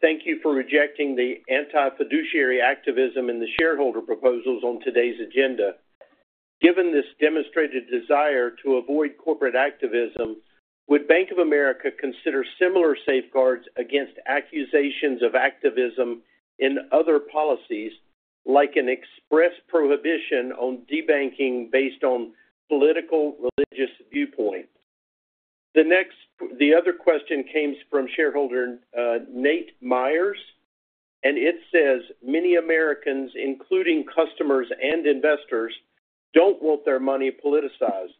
Thank you for rejecting the anti-fiduciary activism in the shareholder proposals on today's agenda. Given this demonstrated desire to avoid corporate activism, would Bank of America consider similar safeguards against accusations of activism in other policies, like an express prohibition on de-banking based on political religious viewpoints?" The other question came from shareholder Nate Myers, and it says, "Many Americans, including customers and investors, don't want their money politicized.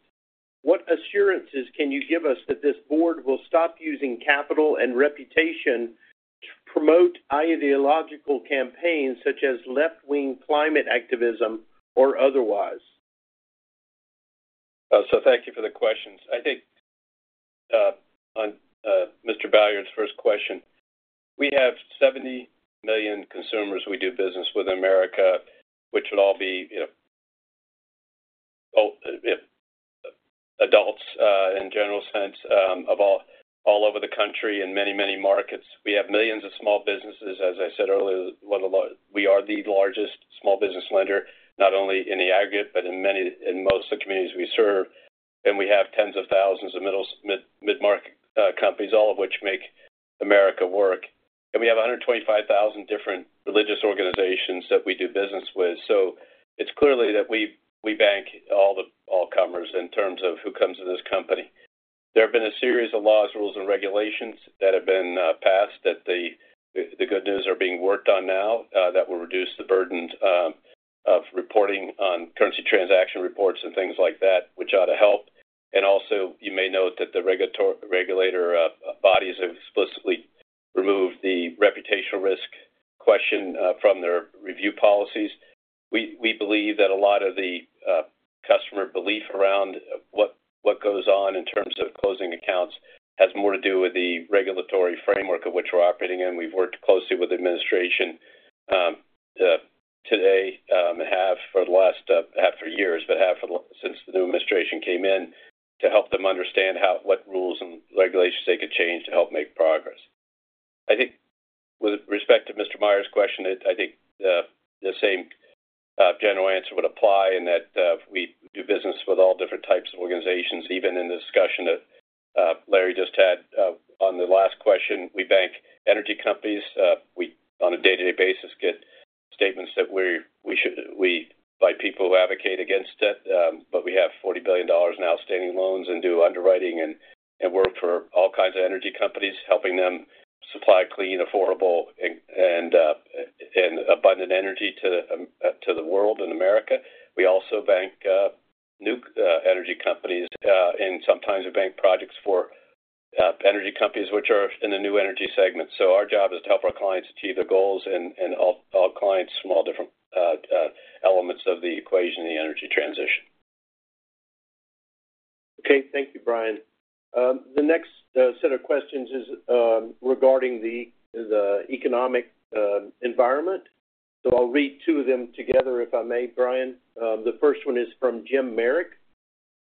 What assurances can you give us that this board will stop using capital and reputation to promote ideological campaigns such as left-wing climate activism or otherwise?" Thank you for the questions. I think on Mr. Bowyer's first question, we have 70 million consumers we do business with in America, which would all be adults in general sense of all over the country in many, many markets. We have millions of small businesses. As I said earlier, we are the largest small business lender, not only in the aggregate but in most of the communities we serve. We have tens of thousands of mid-market companies, all of which make America work. We have 125,000 different religious organizations that we do business with. It is clearly that we bank all comers in terms of who comes to this company. There have been a series of laws, rules, and regulations that have been passed that the good news are being worked on now that will reduce the burden of reporting on currency transaction reports and things like that, which ought to help. You may note that the regulatory bodies have explicitly removed the reputational risk question from their review policies. We believe that a lot of the customer belief around what goes on in terms of closing accounts has more to do with the regulatory framework of which we're operating in. We've worked closely with the administration today and have for the last—not for years, but since the new administration came in—to help them understand what rules and regulations they could change to help make progress. I think with respect to Mr. Myers' question, I think the same general answer would apply in that we do business with all different types of organizations, even in the discussion that Larry just had. On the last question, we bank energy companies. We, on a day-to-day basis, get statements that we buy people who advocate against it. We have $40 billion in outstanding loans and do underwriting and work for all kinds of energy companies, helping them supply clean, affordable, and abundant energy to the world and America. We also bank new energy companies, and sometimes we bank projects for energy companies which are in the new energy segment. Our job is to help our clients achieve their goals and all clients from all different elements of the equation in the energy transition. Okay. Thank you, Brian. The next set of questions is regarding the economic environment. I'll read two of them together if I may, Brian. The first one is from Jim Merrick.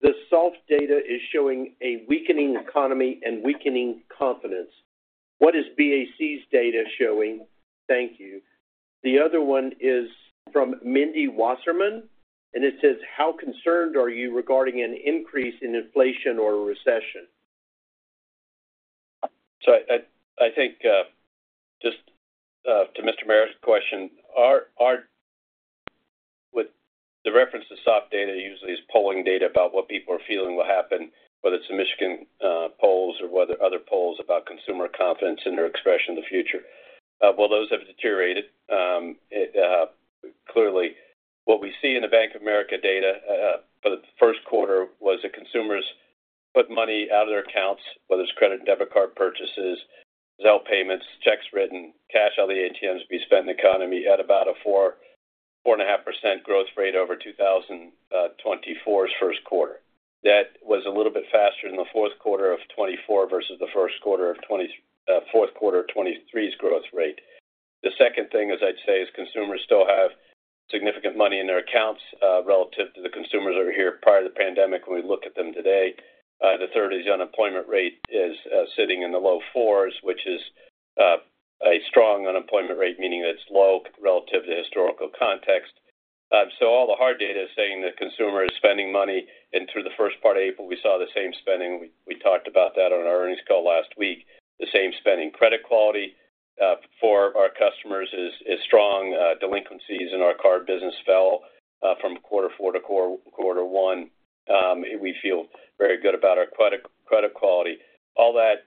"The SALF data is showing a weakening economy and weakening confidence. What is BAC's data showing?" Thank you. The other one is from Mindy Wasserman, and it says, "How concerned are you regarding an increase in inflation or a recession?" I think just to Mr. Merrick's question, with the reference to SALF data, usually it's polling data about what people are feeling will happen, whether it's the Michigan polls or whether other polls about consumer confidence and their expression of the future. Those have deteriorated. Clearly, what we see in the Bank of America data for the first quarter was that consumers put money out of their accounts, whether it's credit and debit card purchases, Zelle payments, checks written, cash out of the ATMs to be spent in the economy at about a 4.5% growth rate over 2024's first quarter. That was a little bit faster in the fourth quarter of 2024 versus the fourth quarter of 2023's growth rate. The second thing, as I'd say, is consumers still have significant money in their accounts relative to the consumers that were here prior to the pandemic when we look at them today. The third is the unemployment rate is sitting in the low fours, which is a strong unemployment rate, meaning it's low relative to historical context. All the hard data is saying that consumers are spending money. Through the first part of April, we saw the same spending. We talked about that on our earnings call last week. The same spending. Credit quality for our customers is strong. Delinquencies in our card business fell from quarter four to quarter one. We feel very good about our credit quality. All that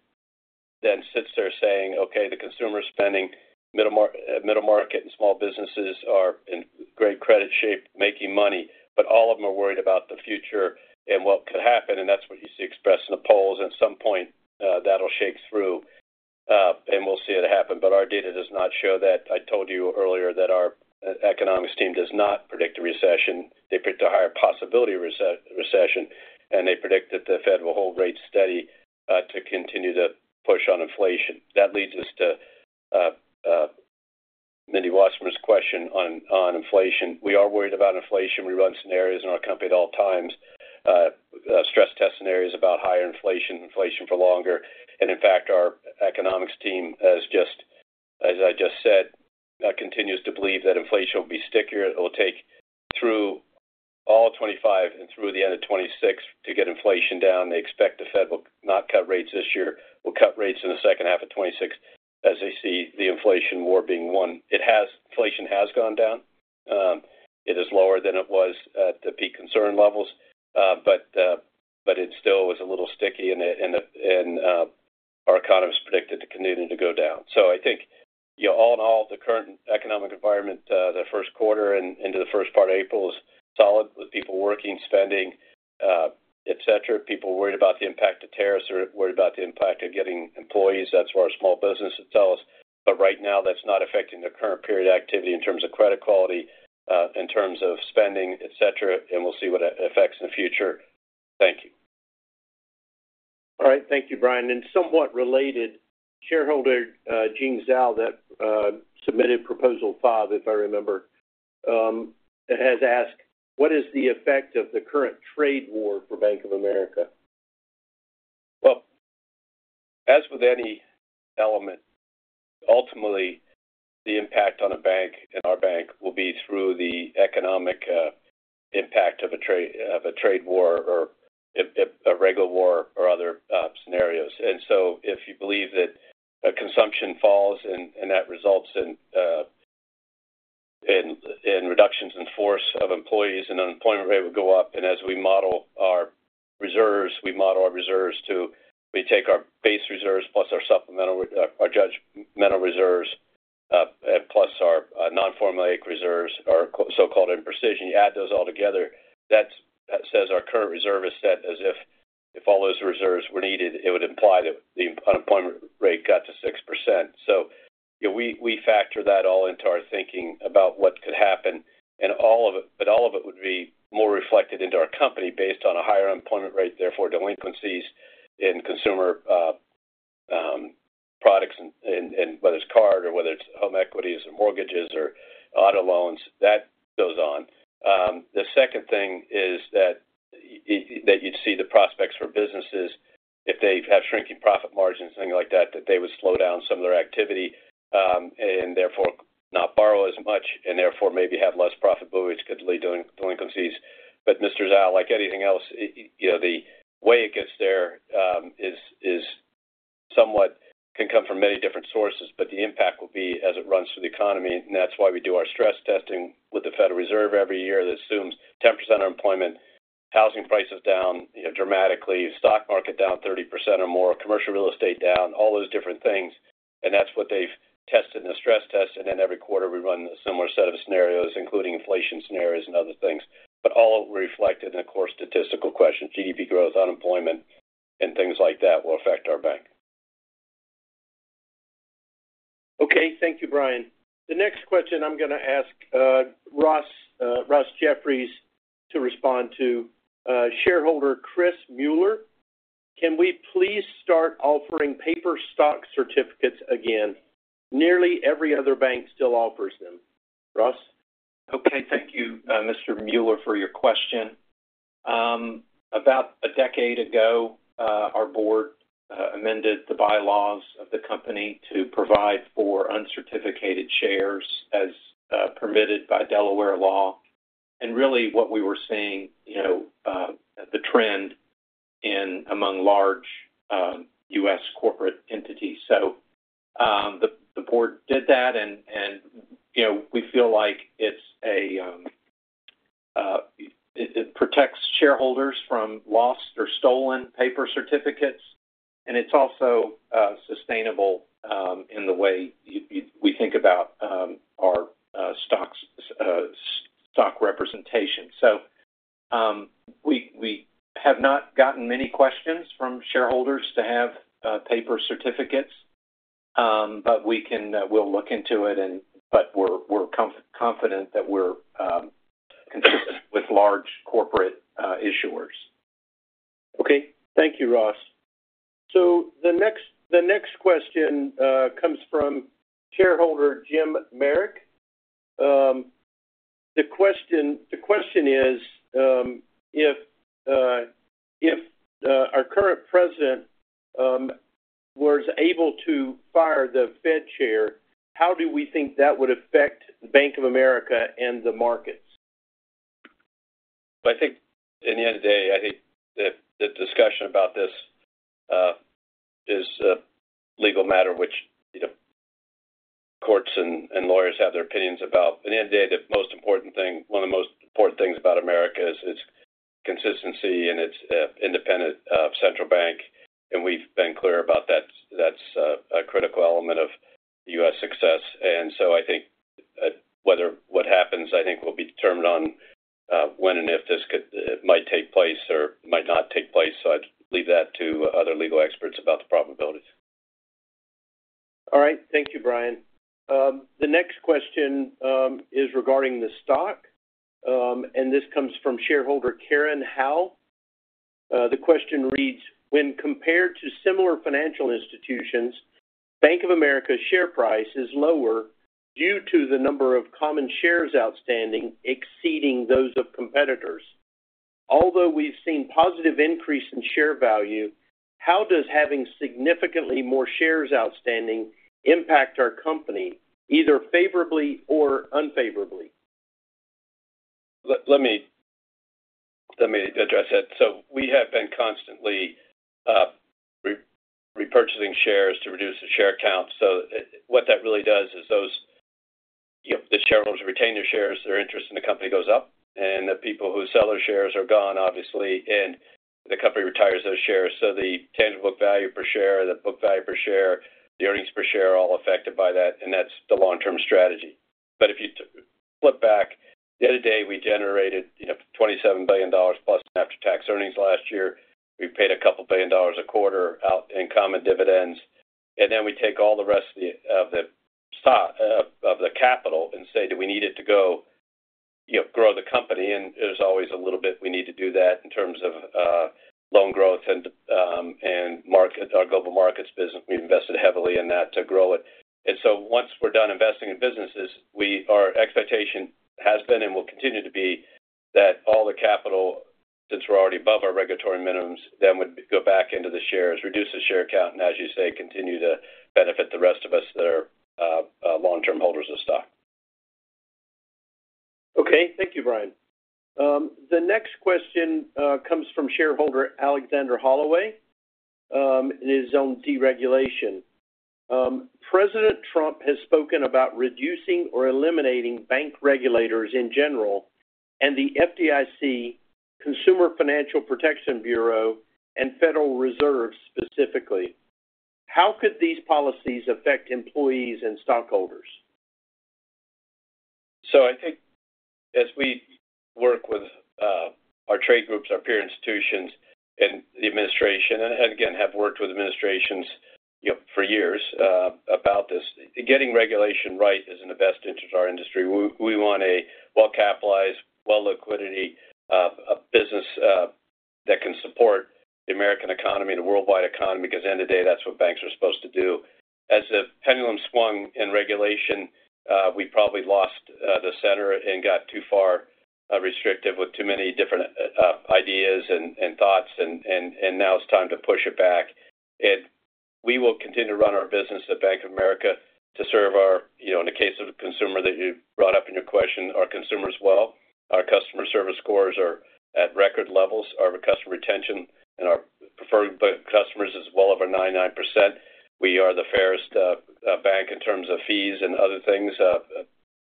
then sits there saying, "Okay, the consumer spending, middle market, and small businesses are in great credit shape making money, but all of them are worried about the future and what could happen." That is what you see expressed in the polls. At some point, that'll shake through, and we'll see it happen. Our data does not show that. I told you earlier that our economics team does not predict a recession. They predict a higher possibility of recession, and they predict that the Fed will hold rates steady to continue to push on inflation. That leads us to Mindy Wasserman's question on inflation. We are worried about inflation. We run scenarios in our company at all times, stress test scenarios about higher inflation, inflation for longer. In fact, our economics team, as I just said, continues to believe that inflation will be stickier. It will take through all 2025 and through the end of 2026 to get inflation down. They expect the Fed will not cut rates this year. We'll cut rates in the second half of 2026 as they see the inflation war being won. Inflation has gone down. It is lower than it was at the peak concern levels, but it still was a little sticky, and our economists predicted it continued to go down. I think all in all, the current economic environment, the first quarter and into the first part of April is solid with people working, spending, etc. People worried about the impact of tariffs or worried about the impact of getting employees. That's where our small businesses tell us. Right now, that's not affecting their current period of activity in terms of credit quality, in terms of spending, etc. We'll see what it affects in the future. Thank you. All right. Thank you, Brian. Somewhat related, shareholder Jing Zhao that submitted proposal five, if I remember, has asked, "What is the effect of the current trade war for Bank of America?" As with any element, ultimately, the impact on a bank and our bank will be through the economic impact of a trade war or a regular war or other scenarios. If you believe that consumption falls and that results in reductions in force of employees, an unemployment rate would go up. As we model our reserves, we model our reserves to—we take our base reserves plus our judgmental reserves plus our non-formal reserves, our so-called imprecision. You add those all together, that says our current reserve is set as if all those reserves were needed, it would imply that the unemployment rate got to 6%. We factor that all into our thinking about what could happen. All of it would be more reflected into our company based on a higher unemployment rate, therefore delinquencies in consumer products, whether it's card or whether it's home equities or mortgages or auto loans. That goes on. The second thing is that you'd see the prospects for businesses, if they have shrinking profit margins, things like that, that they would slow down some of their activity and therefore not borrow as much and therefore maybe have less profitability, which could lead to delinquencies. But Mr. Zhao, like anything else, the way it gets there can come from many different sources, but the impact will be as it runs through the economy. That is why we do our stress testing with the Federal Reserve every year. That assumes 10% unemployment, housing prices down dramatically, stock market down 30% or more, commercial real estate down, all those different things. That is what they have tested in a stress test. Every quarter, we run a similar set of scenarios, including inflation scenarios and other things. All reflected in a core statistical question. GDP growth, unemployment, and things like that will affect our bank. Okay. Thank you, Brian. The next question I am going to ask Ross Jeffries to respond to. Shareholder Chris Mueller, can we please start offering paper stock certificates again? Nearly every other bank still offers them. Ross? Okay. Thank you, Mr. Mueller, for your question. About a decade ago, our board amended the bylaws of the company to provide for uncertificated shares as permitted by Delaware law. What we were seeing is the trend among large U.S. corporate entities. The board did that, and we feel like it protects shareholders from lost or stolen paper certificates. It is also sustainable in the way we think about our stock representation. We have not gotten many questions from shareholders to have paper certificates, but we will look into it. We are confident that we are consistent with large corporate issuers. Thank you, Ross. The next question comes from shareholder Jim Merrick. The question is, if our current president was able to fire the Fed chair, how do we think that would affect Bank of America and the markets? I think at the end of the day, I think the discussion about this is a legal matter which courts and lawyers have their opinions about. At the end of the day, one of the most important things about America is its consistency and its independent central bank. We've been clear about that. That's a critical element of U.S. success. I think what happens, I think, will be determined on when and if this might take place or might not take place. I'd leave that to other legal experts about the probabilities. All right. Thank you, Brian. The next question is regarding the stock. This comes from shareholder Karen Howell. The question reads, "When compared to similar financial institutions, Bank of America's share price is lower due to the number of common shares outstanding exceeding those of competitors. Although we've seen positive increase in share value, how does having significantly more shares outstanding impact our company, either favorably or unfavorably? Let me address that. We have been constantly repurchasing shares to reduce the share count. What that really does is the shareholders retain their shares, their interest in the company goes up, and the people who sell their shares are gone, obviously, and the company retires those shares. The tangible book value per share, the book value per share, the earnings per share are all affected by that. That is the long-term strategy. If you flip back, the other day, we generated $27 billion plus after-tax earnings last year. We paid a couple of billion dollars a quarter out in common dividends. We take all the rest of the capital and say, "Do we need it to grow the company?" There is always a little bit we need to do that in terms of loan growth and our global markets business. We have invested heavily in that to grow it. Once we are done investing in businesses, our expectation has been and will continue to be that all the capital, since we are already above our regulatory minimums, then would go back into the shares, reduce the share count, and as you say, continue to benefit the rest of us that are long-term holders of stock. Okay. Thank you, Brian. The next question comes from shareholder Alexander Holloway and his own deregulation. "President Trump has spoken about reducing or eliminating bank regulators in general and the FDIC, Consumer Financial Protection Bureau, and Federal Reserve specifically. How could these policies affect employees and stockholders?" I think as we work with our trade groups, our peer institutions, and the administration, and again, have worked with administrations for years about this, getting regulation right is in the best interest of our industry. We want a well-capitalized, well-liquidity business that can support the American economy and the worldwide economy because at the end of the day, that's what banks are supposed to do. As the pendulum swung in regulation, we probably lost the center and got too far restrictive with too many different ideas and thoughts. Now it's time to push it back. We will continue to run our business at Bank of America to serve our—in the case of the consumer that you brought up in your question, our consumers well. Our customer service scores are at record levels. Our customer retention and our preferred customers is well over 99%. We are the fairest bank in terms of fees and other things.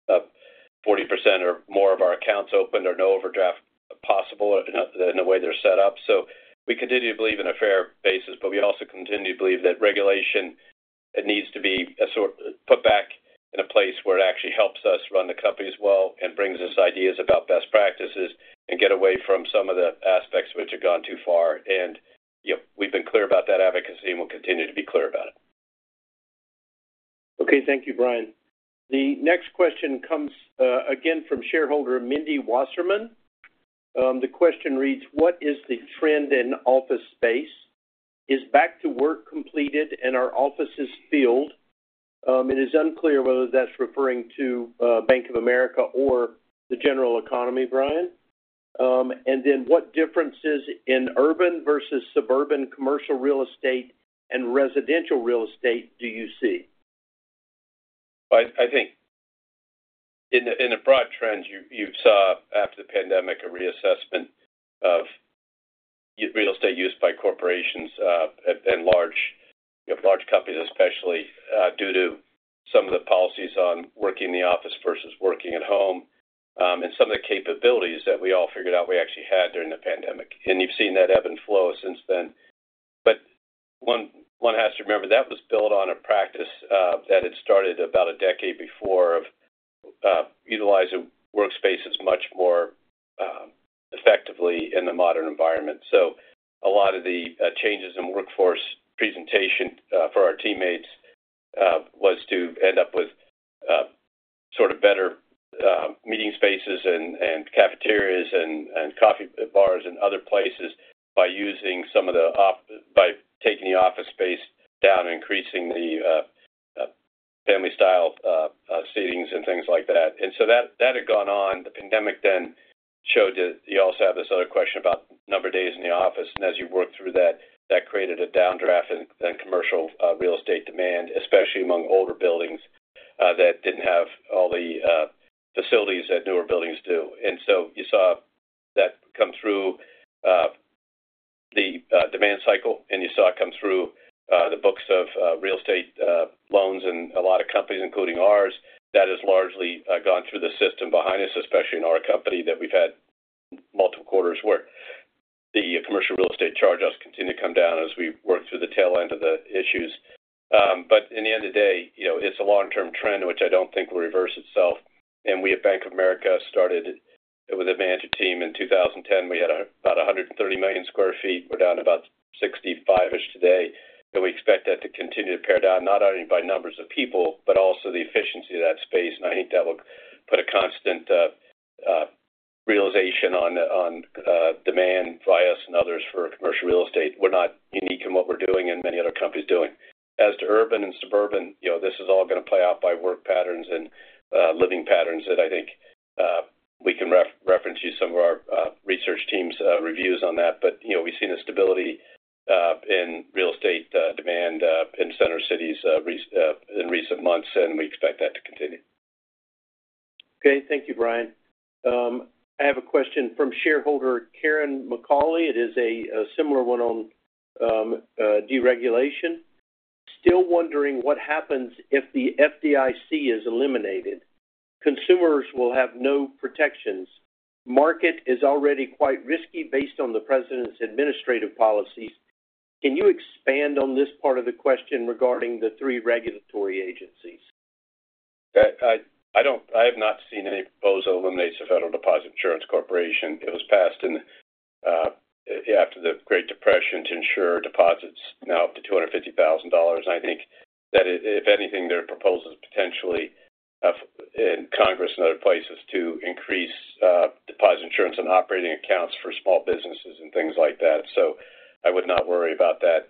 40% or more of our accounts open or no overdraft possible in the way they're set up. We continue to believe in a fair basis, but we also continue to believe that regulation needs to be put back in a place where it actually helps us run the company as well and brings us ideas about best practices and get away from some of the aspects which have gone too far. We've been clear about that advocacy and will continue to be clear about it. Thank you, Brian. The next question comes again from shareholder Mindy Wasserman. The question reads, "What is the trend in office space? Is back-to-work completed and our offices filled? It is unclear whether that's referring to Bank of America or the general economy, Brian. "What differences in urban versus suburban commercial real estate and residential real estate do you see?" I think in the broad trends, you saw after the pandemic a reassessment of real estate use by corporations and large companies, especially due to some of the policies on working in the office versus working at home and some of the capabilities that we all figured out we actually had during the pandemic. You have seen that ebb and flow since then. One has to remember that was built on a practice that had started about a decade before of utilizing workspaces much more effectively in the modern environment. A lot of the changes in workforce presentation for our teammates was to end up with sort of better meeting spaces and cafeterias and coffee bars and other places by using some of the—by taking the office space down and increasing the family-style seatings and things like that. That had gone on. The pandemic then showed that you also have this other question about number of days in the office. As you work through that, that created a downdraft in commercial real estate demand, especially among older buildings that did not have all the facilities that newer buildings do. You saw that come through the demand cycle, and you saw it come through the books of real estate loans and a lot of companies, including ours. That has largely gone through the system behind us, especially in our company that we've had multiple quarters where the commercial real estate charge has continued to come down as we work through the tail end of the issues. At the end of the day, it's a long-term trend which I don't think will reverse itself. We at Bank of America started with a management team in 2010. We had about 130 million sq ft. We're down to about 65-ish today. We expect that to continue to pare down, not only by numbers of people, but also the efficiency of that space. I think that will put a constant realization on demand by us and others for commercial real estate. We're not unique in what we're doing and many other companies doing. As to urban and suburban, this is all going to play out by work patterns and living patterns that I think we can reference you some of our research team's reviews on that. But we've seen a stability in real estate demand in center cities in recent months, and we expect that to continue. Okay. Thank you, Brian. I have a question from shareholder Karen Mcauley. It is a similar one on deregulation. "Still wondering what happens if the FDIC is eliminated. Consumers will have no protections. Market is already quite risky based on the president's administrative policies. Can you expand on this part of the question regarding the three regulatory agencies?" I have not seen any proposal eliminate the Federal Deposit Insurance Corporation. It was passed after the Great Depression to insure deposits now up to $250,000. I think that if anything, their proposal is potentially in Congress and other places to increase deposit insurance on operating accounts for small businesses and things like that. I would not worry about that.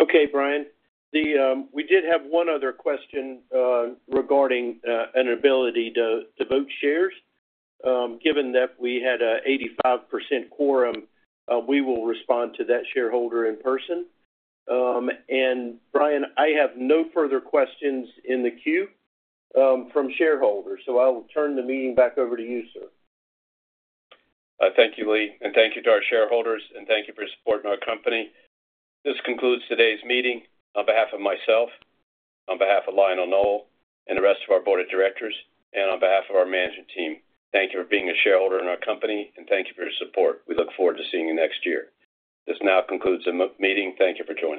Okay, Brian. We did have one other question regarding an ability to vote shares. Given that we had an 85% quorum, we will respond to that shareholder in person. Brian, I have no further questions in the queue from shareholders. I'll turn the meeting back over to you, sir. Thank you, Lee. Thank you to our shareholders, and thank you for supporting our company. This concludes today's meeting on behalf of myself, on behalf of Lionel Nowell, and the rest of our board of directors, and on behalf of our management team. Thank you for being a shareholder in our company, and thank you for your support. We look forward to seeing you next year. This now concludes the meeting. Thank you for joining.